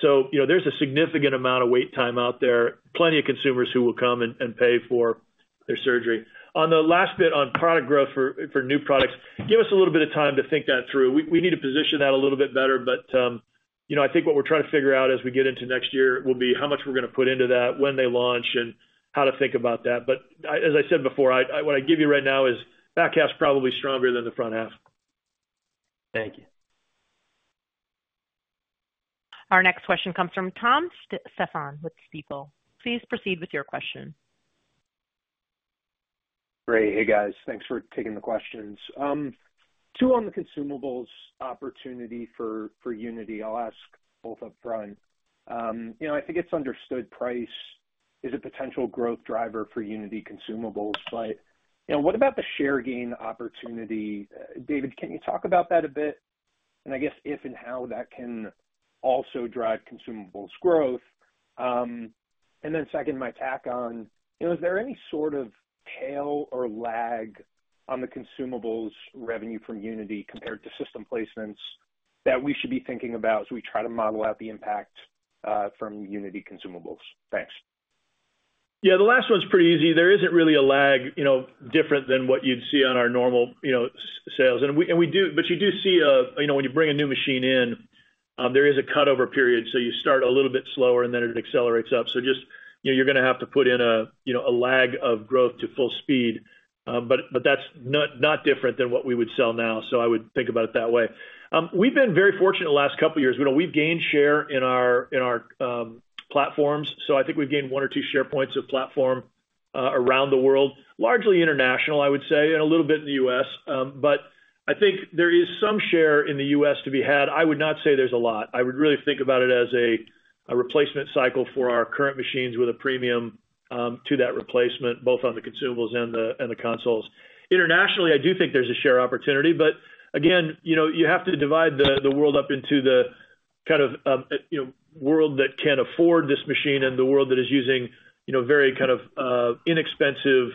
So there's a significant amount of wait time out there. Plenty of consumers who will come and pay for their surgery. On the last bit on product growth for new products, give us a little bit of time to think that through. We need to position that a little bit better. But I think what we're trying to figure out as we get into next year will be how much we're going to put into that, when they launch, and how to think about that. But as I said before, what I give you right now is back half's probably stronger than the front half. Thank you. Our next question comes from Tom Stephan with Stifel. Please proceed with your question. Great. Hey, guys. Thanks for taking the questions. Two on the consumables opportunity for Unity. I'll ask both upfront. I think it's understood price is a potential growth driver for Unity consumables. But what about the share gain opportunity? David, can you talk about that a bit? And I guess if and how that can also drive consumables growth. And then second, my tack on, is there any sort of tail or lag on the consumables revenue from Unity compared to system placements that we should be thinking about as we try to model out the impact from Unity consumables? Thanks. Yeah. The last one's pretty easy. There isn't really a lag different than what you'd see on our normal sales. But you do see when you bring a new machine in, there is a cutover period. So you start a little bit slower, and then it accelerates up. So just you're going to have to put in a lag of growth to full speed. But that's not different than what we would sell now. So I would think about it that way. We've been very fortunate the last couple of years. We've gained share in our platforms. So I think we've gained one or two share points of platform around the world, largely international, I would say, and a little bit in the U.S. But I think there is some share in the U.S. to be had. I would not say there's a lot. I would really think about it as a replacement cycle for our current machines with a premium to that replacement, both on the consumables and the consoles. Internationally, I do think there's a share opportunity. But again, you have to divide the world up into the kind of world that can afford this machine and the world that is using very kind of inexpensive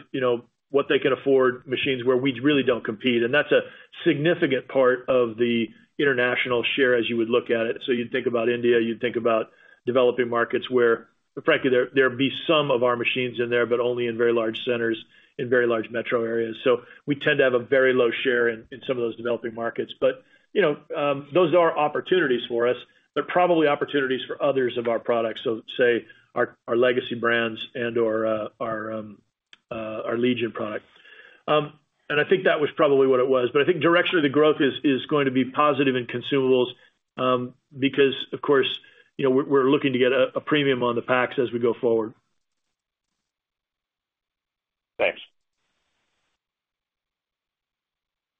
what they can afford machines where we really don't compete. And that's a significant part of the international share as you would look at it. So you'd think about India. You'd think about developing markets where, frankly, there'd be some of our machines in there, but only in very large centers in very large metro areas. So we tend to have a very low share in some of those developing markets. But those are opportunities for us. They're probably opportunities for others of our products, so say our legacy brands and/or our Legion product, and I think that was probably what it was, but I think direction of the growth is going to be positive in consumables because, of course, we're looking to get a premium on the packs as we go forward. Thanks.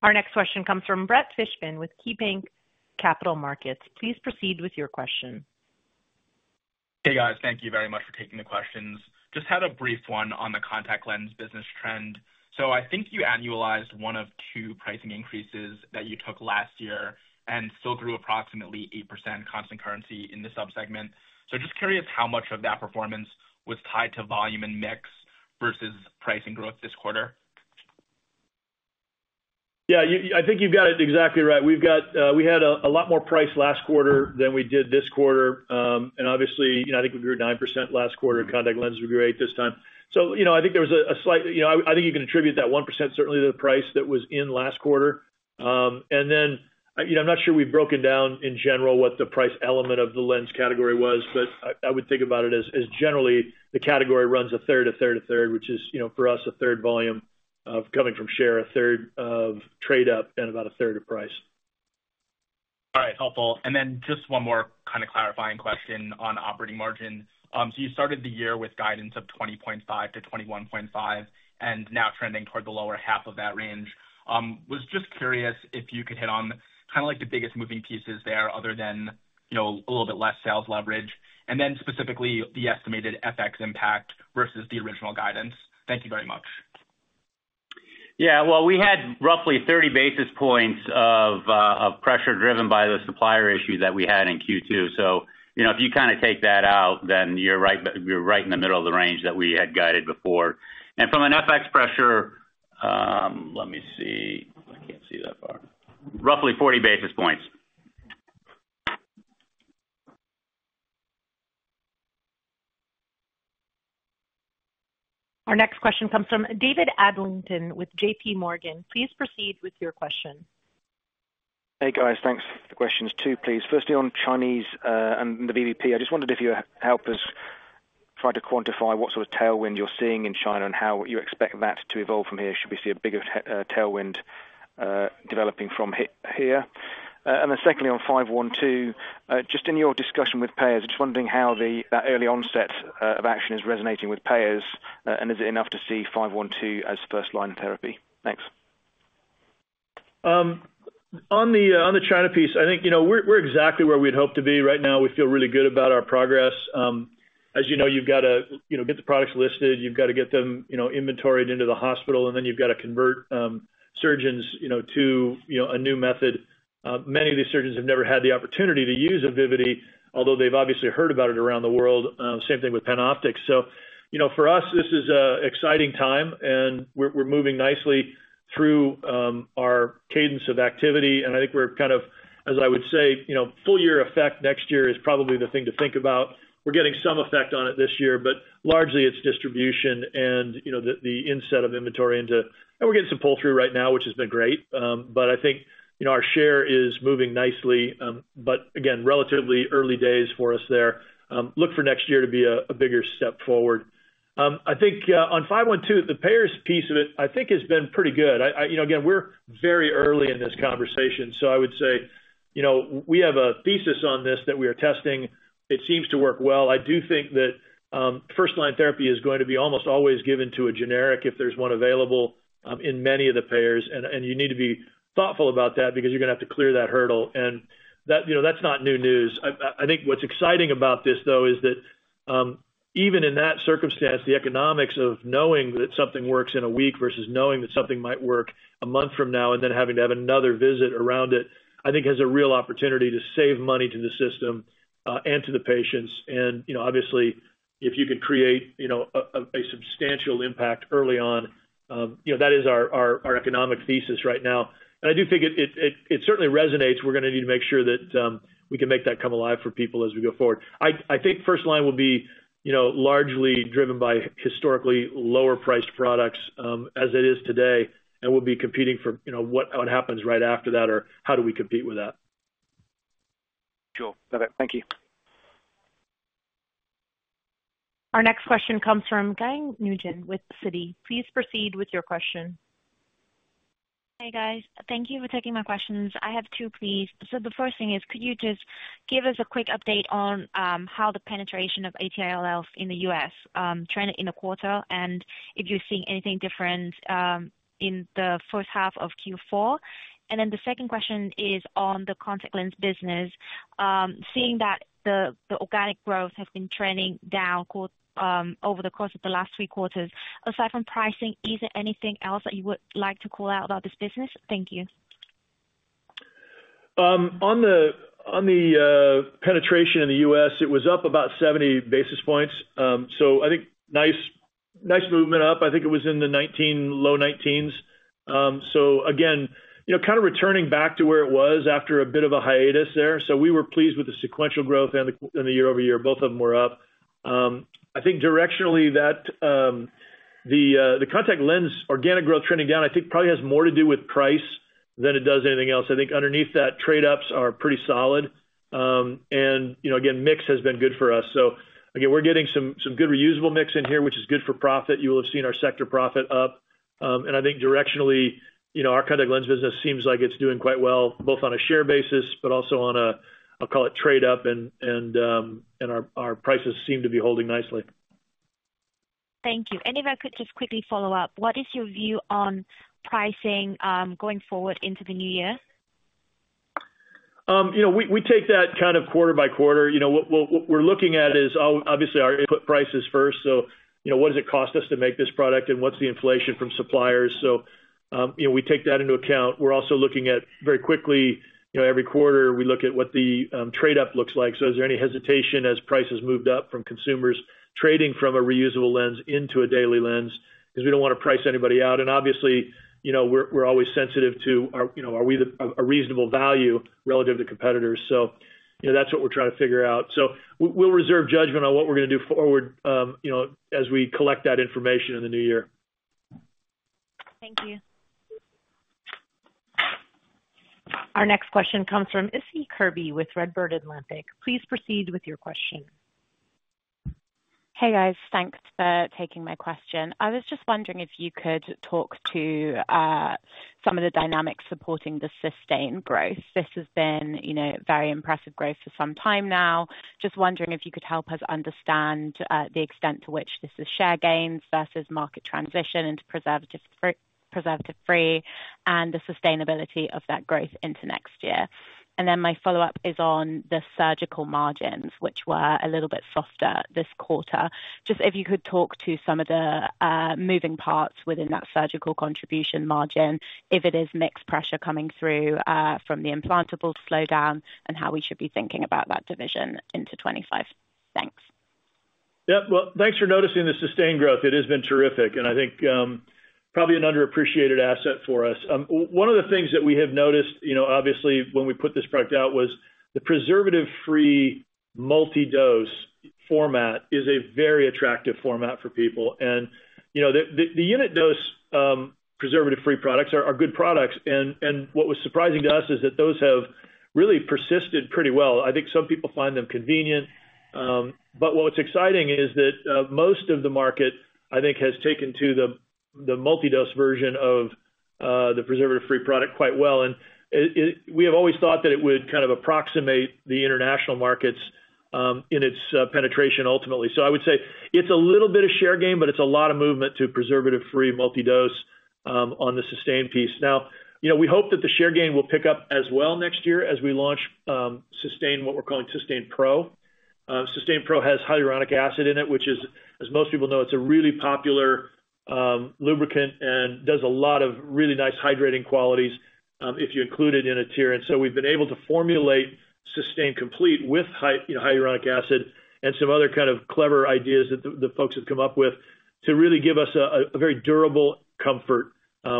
Our next question comes from Brett Fishman with KeyBanc Capital Markets. Please proceed with your question. Hey, guys. Thank you very much for taking the questions. Just had a brief one on the contact lens business trend. So I think you annualized one of two pricing increases that you took last year and still grew approximately 8% constant currency in the subsegment. So just curious how much of that performance was tied to volume and mix versus pricing growth this quarter? Yeah. I think you've got it exactly right. We had a lot more price last quarter than we did this quarter. And obviously, I think we grew 9% last quarter. Contact lenses grew 8% this time. So I think there was a slight. I think you can attribute that 1% certainly to the price that was in last quarter. And then I'm not sure we've broken down in general what the price element of the lens category was, but I would think about it as generally the category runs a third, a third, a third, which is for us a third volume coming from share, a third of trade-up, and about a third of price. All right. Helpful. And then just one more kind of clarifying question on operating margin. So you started the year with guidance of 20.5%-21.5% and now trending toward the lower half of that range. Was just curious if you could hit on kind of like the biggest moving pieces there other than a little bit less sales leverage and then specifically the estimated FX impact versus the original guidance? Thank you very much. Yeah. Well, we had roughly 30 basis points of pressure driven by the supplier issue that we had in Q2. So if you kind of take that out, then you're right in the middle of the range that we had guided before. And from an FX pressure, let me see. I can't see that far. Roughly 40 basis points. Our next question comes from David Adlington with J.P. Morgan. Please proceed with your question. Hey, guys. Thanks for the questions too, please. Firstly, on China and the VBP, I just wondered if you help us try to quantify what sort of tailwind you're seeing in China and how you expect that to evolve from here should we see a bigger tailwind developing from here. And then secondly, on 512, just in your discussion with payers, just wondering how that early onset of action is resonating with payers and is it enough to see 512 as first-line therapy? Thanks. On the China piece, I think we're exactly where we'd hope to be right now. We feel really good about our progress. As you know, you've got to get the products listed. You've got to get them inventoried into the hospital, and then you've got to convert surgeons to a new method. Many of these surgeons have never had the opportunity to use a Vivity, although they've obviously heard about it around the world. Same thing with PanOptix. So for us, this is an exciting time, and we're moving nicely through our cadence of activity. And I think we're kind of, as I would say, full year effect next year is probably the thing to think about. We're getting some effect on it this year, but largely it's distribution and the inset of inventory into. And we're getting some pull-through right now, which has been great. But I think our share is moving nicely, but again, relatively early days for us there. Look for next year to be a bigger step forward. I think on 512, the payers piece of it, I think, has been pretty good. Again, we're very early in this conversation. So I would say we have a thesis on this that we are testing. It seems to work well. I do think that first-line therapy is going to be almost always given to a generic if there's one available in many of the payers. And you need to be thoughtful about that because you're going to have to clear that hurdle. And that's not new news. I think what's exciting about this, though, is that even in that circumstance, the economics of knowing that something works in a week versus knowing that something might work a month from now and then having to have another visit around it, I think has a real opportunity to save money to the system and to the patients. And obviously, if you can create a substantial impact early on, that is our economic thesis right now. And I do think it certainly resonates. We're going to need to make sure that we can make that come alive for people as we go forward. I think first-line will be largely driven by historically lower-priced products as it is today and will be competing for what happens right after that or how do we compete with that. Sure. Perfect. Thank you. Our next question comes from Giang Nguyen with Citi. Please proceed with your question. Hey, guys. Thank you for taking my questions. I have two pleas. So the first thing is, could you just give us a quick update on how the penetration of AT-IOLs in the U.S. trended in the quarter and if you're seeing anything different in the first half of Q4? And then the second question is on the contact lens business. Seeing that the organic growth has been trending down over the course of the last three quarters, aside from pricing, is there anything else that you would like to call out about this business? Thank you. On the penetration in the U.S., it was up about 70 basis points. So I think nice movement up. I think it was in the low 19s. So again, kind of returning back to where it was after a bit of a hiatus there. So we were pleased with the sequential growth and the year-over-year. Both of them were up. I think directionally, the contact lens organic growth trending down, I think probably has more to do with price than it does anything else. I think underneath that, trade-ups are pretty solid. And again, mix has been good for us. So again, we're getting some good reusable mix in here, which is good for profit. You will have seen our sector profit up. I think directionally, our contact lens business seems like it's doing quite well both on a share basis, but also on a, I'll call it trade-up, and our prices seem to be holding nicely. Thank you. And if I could just quickly follow up, what is your view on pricing going forward into the new year? We take that kind of quarter by quarter. What we're looking at is obviously our input prices first. So what does it cost us to make this product, and what's the inflation from suppliers? So we take that into account. We're also looking at very quickly, every quarter, we look at what the trade-up looks like. So is there any hesitation as prices moved up from consumers trading from a reusable lens into a daily lens? Because we don't want to price anybody out. And obviously, we're always sensitive to are we a reasonable value relative to competitors. So that's what we're trying to figure out. So we'll reserve judgment on what we're going to do forward as we collect that information in the new year. Thank you. Our next question comes from Issie Kirby with Redburn Atlantic. Please proceed with your question. Hey, guys. Thanks for taking my question. I was just wondering if you could talk to some of the dynamics supporting the sustained growth. This has been very impressive growth for some time now. Just wondering if you could help us understand the extent to which this is share gains versus market transition into preservative-free and the sustainability of that growth into next year. And then my follow-up is on the surgical margins, which were a little bit softer this quarter. Just if you could talk to some of the moving parts within that surgical contribution margin, if it is mixed pressure coming through from the implantable slowdown and how we should be thinking about that division into 2025. Thanks. Yep. Well, thanks for noticing the sustained growth. It has been terrific. And I think probably an underappreciated asset for us. One of the things that we have noticed, obviously, when we put this product out was the preservative-free multi-dose format is a very attractive format for people. And the unit dose preservative-free products are good products. And what was surprising to us is that those have really persisted pretty well. I think some people find them convenient. But what's exciting is that most of the market, I think, has taken to the multi-dose version of the preservative-free product quite well. And we have always thought that it would kind of approximate the international markets in its penetration ultimately. So I would say it's a little bit of share gain, but it's a lot of movement to preservative-free multi-dose on the sustained piece. Now, we hope that the share gain will pick up as well next year as we launch what we're calling Systane Pro. Systane Pro has hyaluronic acid in it, which, as most people know, it's a really popular lubricant and does a lot of really nice hydrating qualities if you include it in a tear. And so we've been able to formulate Systane Complete with hyaluronic acid and some other kind of clever ideas that the folks have come up with to really give us a very durable comfort,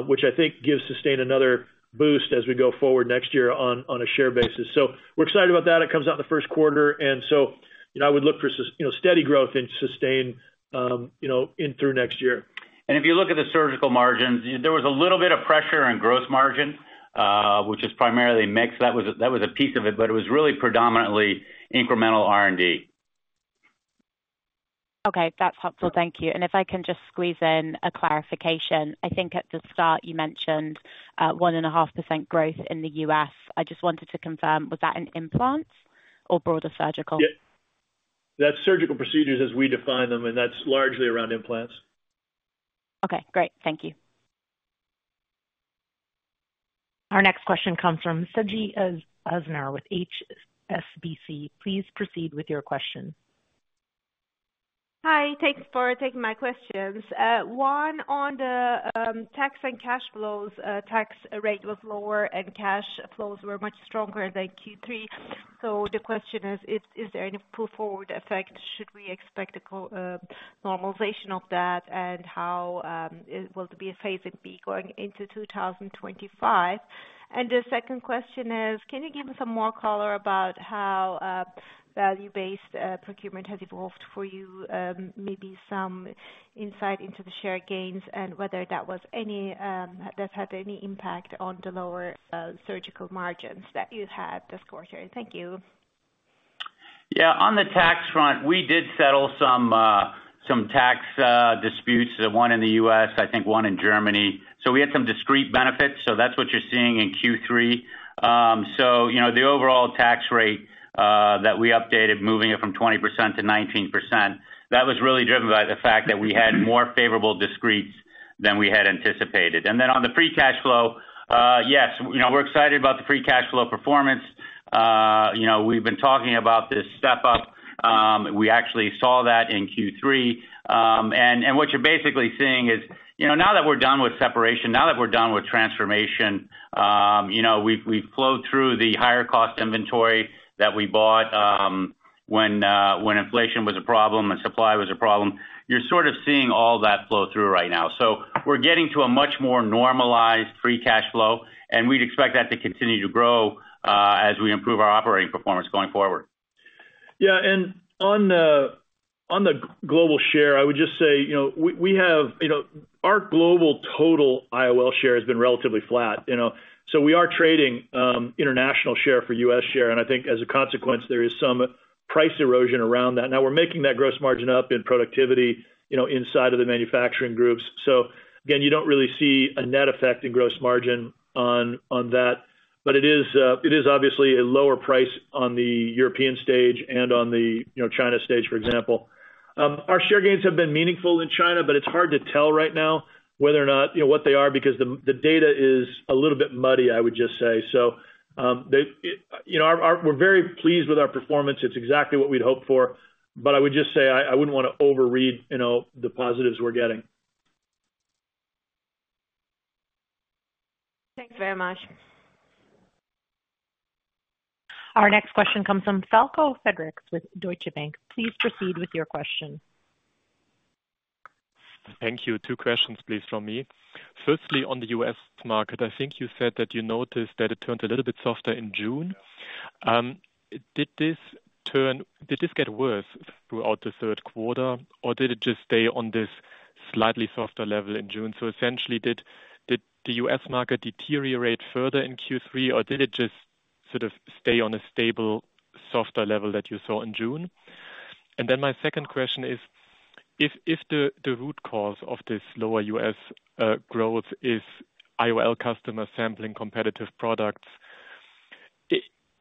which I think gives Systane another boost as we go forward next year on a share basis. We're excited about that. It comes out in the first quarter. And so I would look for steady growth in Systane in through next year. If you look at the surgical margins, there was a little bit of pressure in gross margin, which is primarily mix. That was a piece of it, but it was really predominantly incremental R&D. Okay. That's helpful. Thank you, and if I can just squeeze in a clarification. I think at the start you mentioned 1.5% growth in the U.S. I just wanted to confirm, was that in implants or broader surgical? Yeah. That's surgical procedures as we define them, and that's largely around implants. Okay. Great. Thank you. Our next question comes from Sezgi Ozener with HSBC. Please proceed with your question. Hi. Thanks for taking my questions. One on the tax and cash flows. Tax rate was lower and cash flows were much stronger than Q3. So the question is, is there any pull-forward effect? Should we expect a normalization of that, and how will the BFAs be going into 2025? And the second question is, can you give us some more color about how volume-based procurement has evolved for you? Maybe some insight into the share gains and whether that had any impact on the lower surgical margins that you had this quarter. Thank you. Yeah. On the tax front, we did settle some tax disputes, one in the U.S., I think one in Germany. So we had some discrete benefits. So that's what you're seeing in Q3. So the overall tax rate that we updated, moving it from 20% to 19%, that was really driven by the fact that we had more favorable discretes than we had anticipated. And then on the free cash flow, yes, we're excited about the free cash flow performance. We've been talking about this step-up. We actually saw that in Q3. And what you're basically seeing is now that we're done with separation, now that we're done with transformation, we've flowed through the higher-cost inventory that we bought when inflation was a problem and supply was a problem. You're sort of seeing all that flow through right now. So we're getting to a much more normalized free cash flow, and we'd expect that to continue to grow as we improve our operating performance going forward. Yeah, and on the global share, I would just say we have our global total IOL share has been relatively flat. So we are trading international share for U.S. share. And I think as a consequence, there is some price erosion around that. Now, we're making that gross margin up in productivity inside of the manufacturing groups. So again, you don't really see a net effect in gross margin on that. But it is obviously a lower price on the European stage and on the China stage, for example. Our share gains have been meaningful in China, but it's hard to tell right now whether or not what they are because the data is a little bit muddy, I would just say. So we're very pleased with our performance. It's exactly what we'd hoped for. But I would just say I wouldn't want to overread the positives we're getting. Thanks very much. Our next question comes from Falko Friedrichs with Deutsche Bank. Please proceed with your question. Thank you. Two questions, please, from me. Firstly, on the U.S. market, I think you said that you noticed that it turned a little bit softer in June. Did this get worse throughout the third quarter, or did it just stay on this slightly softer level in June? So essentially, did the U.S. market deteriorate further in Q3, or did it just sort of stay on a stable, softer level that you saw in June? And then my second question is, if the root cause of this lower U.S. growth is IOL customers sampling competitive products,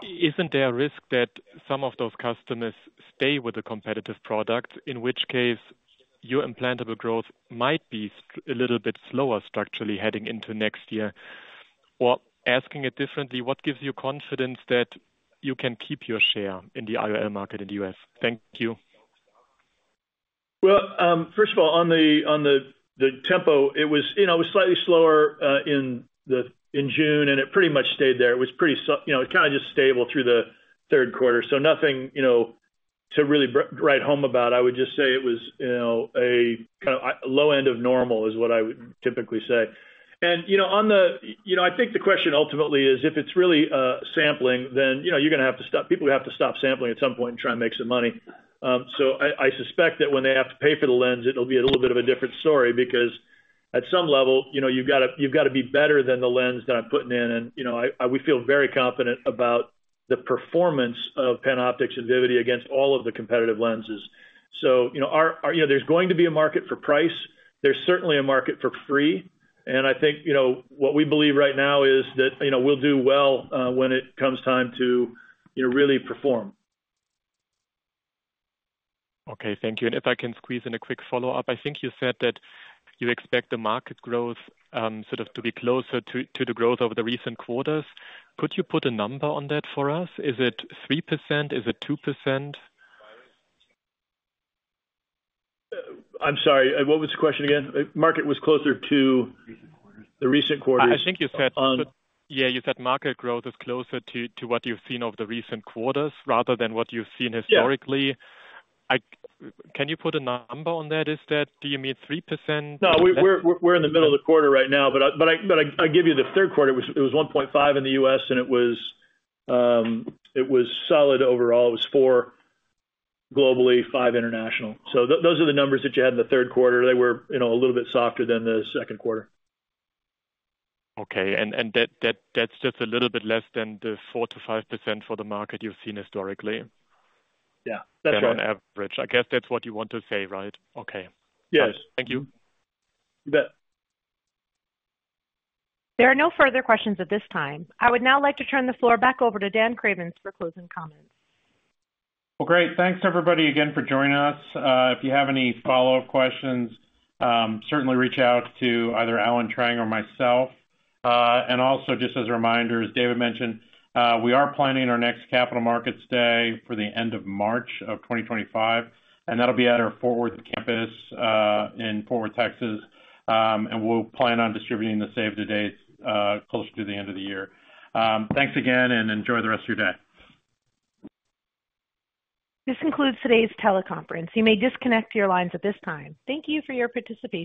isn't there a risk that some of those customers stay with the competitive products, in which case your implantable growth might be a little bit slower structurally heading into next year? Or asking it differently, what gives you confidence that you can keep your share in the IOL market in the U.S.? Thank you. Well, first of all, on the tempo, it was slightly slower in June, and it pretty much stayed there. It was kind of just stable through the third quarter. So nothing to really write home about. I would just say it was a kind of low end of normal is what I would typically say. And I think the question ultimately is, if it's really sampling, then you're going to have to stop. People have to stop sampling at some point and try and make some money. So I suspect that when they have to pay for the lens, it'll be a little bit of a different story because at some level, you've got to be better than the lens that I'm putting in. And we feel very confident about the performance of PanOptix and Vivity against all of the competitive lenses. So there's going to be a market for price. There's certainly a market for free. And I think what we believe right now is that we'll do well when it comes time to really perform. Okay. Thank you, and if I can squeeze in a quick follow-up, I think you said that you expect the market growth sort of to be closer to the growth over the recent quarters. Could you put a number on that for us? Is it 3%? Is it 2%? I'm sorry. What was the question again? Market was closer to the recent quarters. I think you said, yeah, you said market growth is closer to what you've seen over the recent quarters rather than what you've seen historically. Can you put a number on that? Do you mean 3%? No, we're in the middle of the quarter right now. But I'll give you the third quarter. It was 1.5 in the U.S., and it was solid overall. It was 4 globally, 5 international. So those are the numbers that you had in the third quarter. They were a little bit softer than the second quarter. Okay, and that's just a little bit less than the 4%-5% for the market you've seen historically? Yeah. That's right. On average. I guess that's what you want to say, right? Okay. Yes. Thank you. You bet. There are no further questions at this time. I would now like to turn the floor back over to Dan Craven for closing comments. Great. Thanks to everybody again for joining us. If you have any follow-up questions, certainly reach out to either Allen Zhang or myself. Also, just as a reminder, as David mentioned, we are planning our next Capital Markets Day for the end of March of 2025. That'll be at our Fort Worth campus in Fort Worth, Texas. We'll plan on distributing the save-the-dates closer to the end of the year. Thanks again, and enjoy the rest of your day. This concludes today's teleconference. You may disconnect your lines at this time. Thank you for your participation.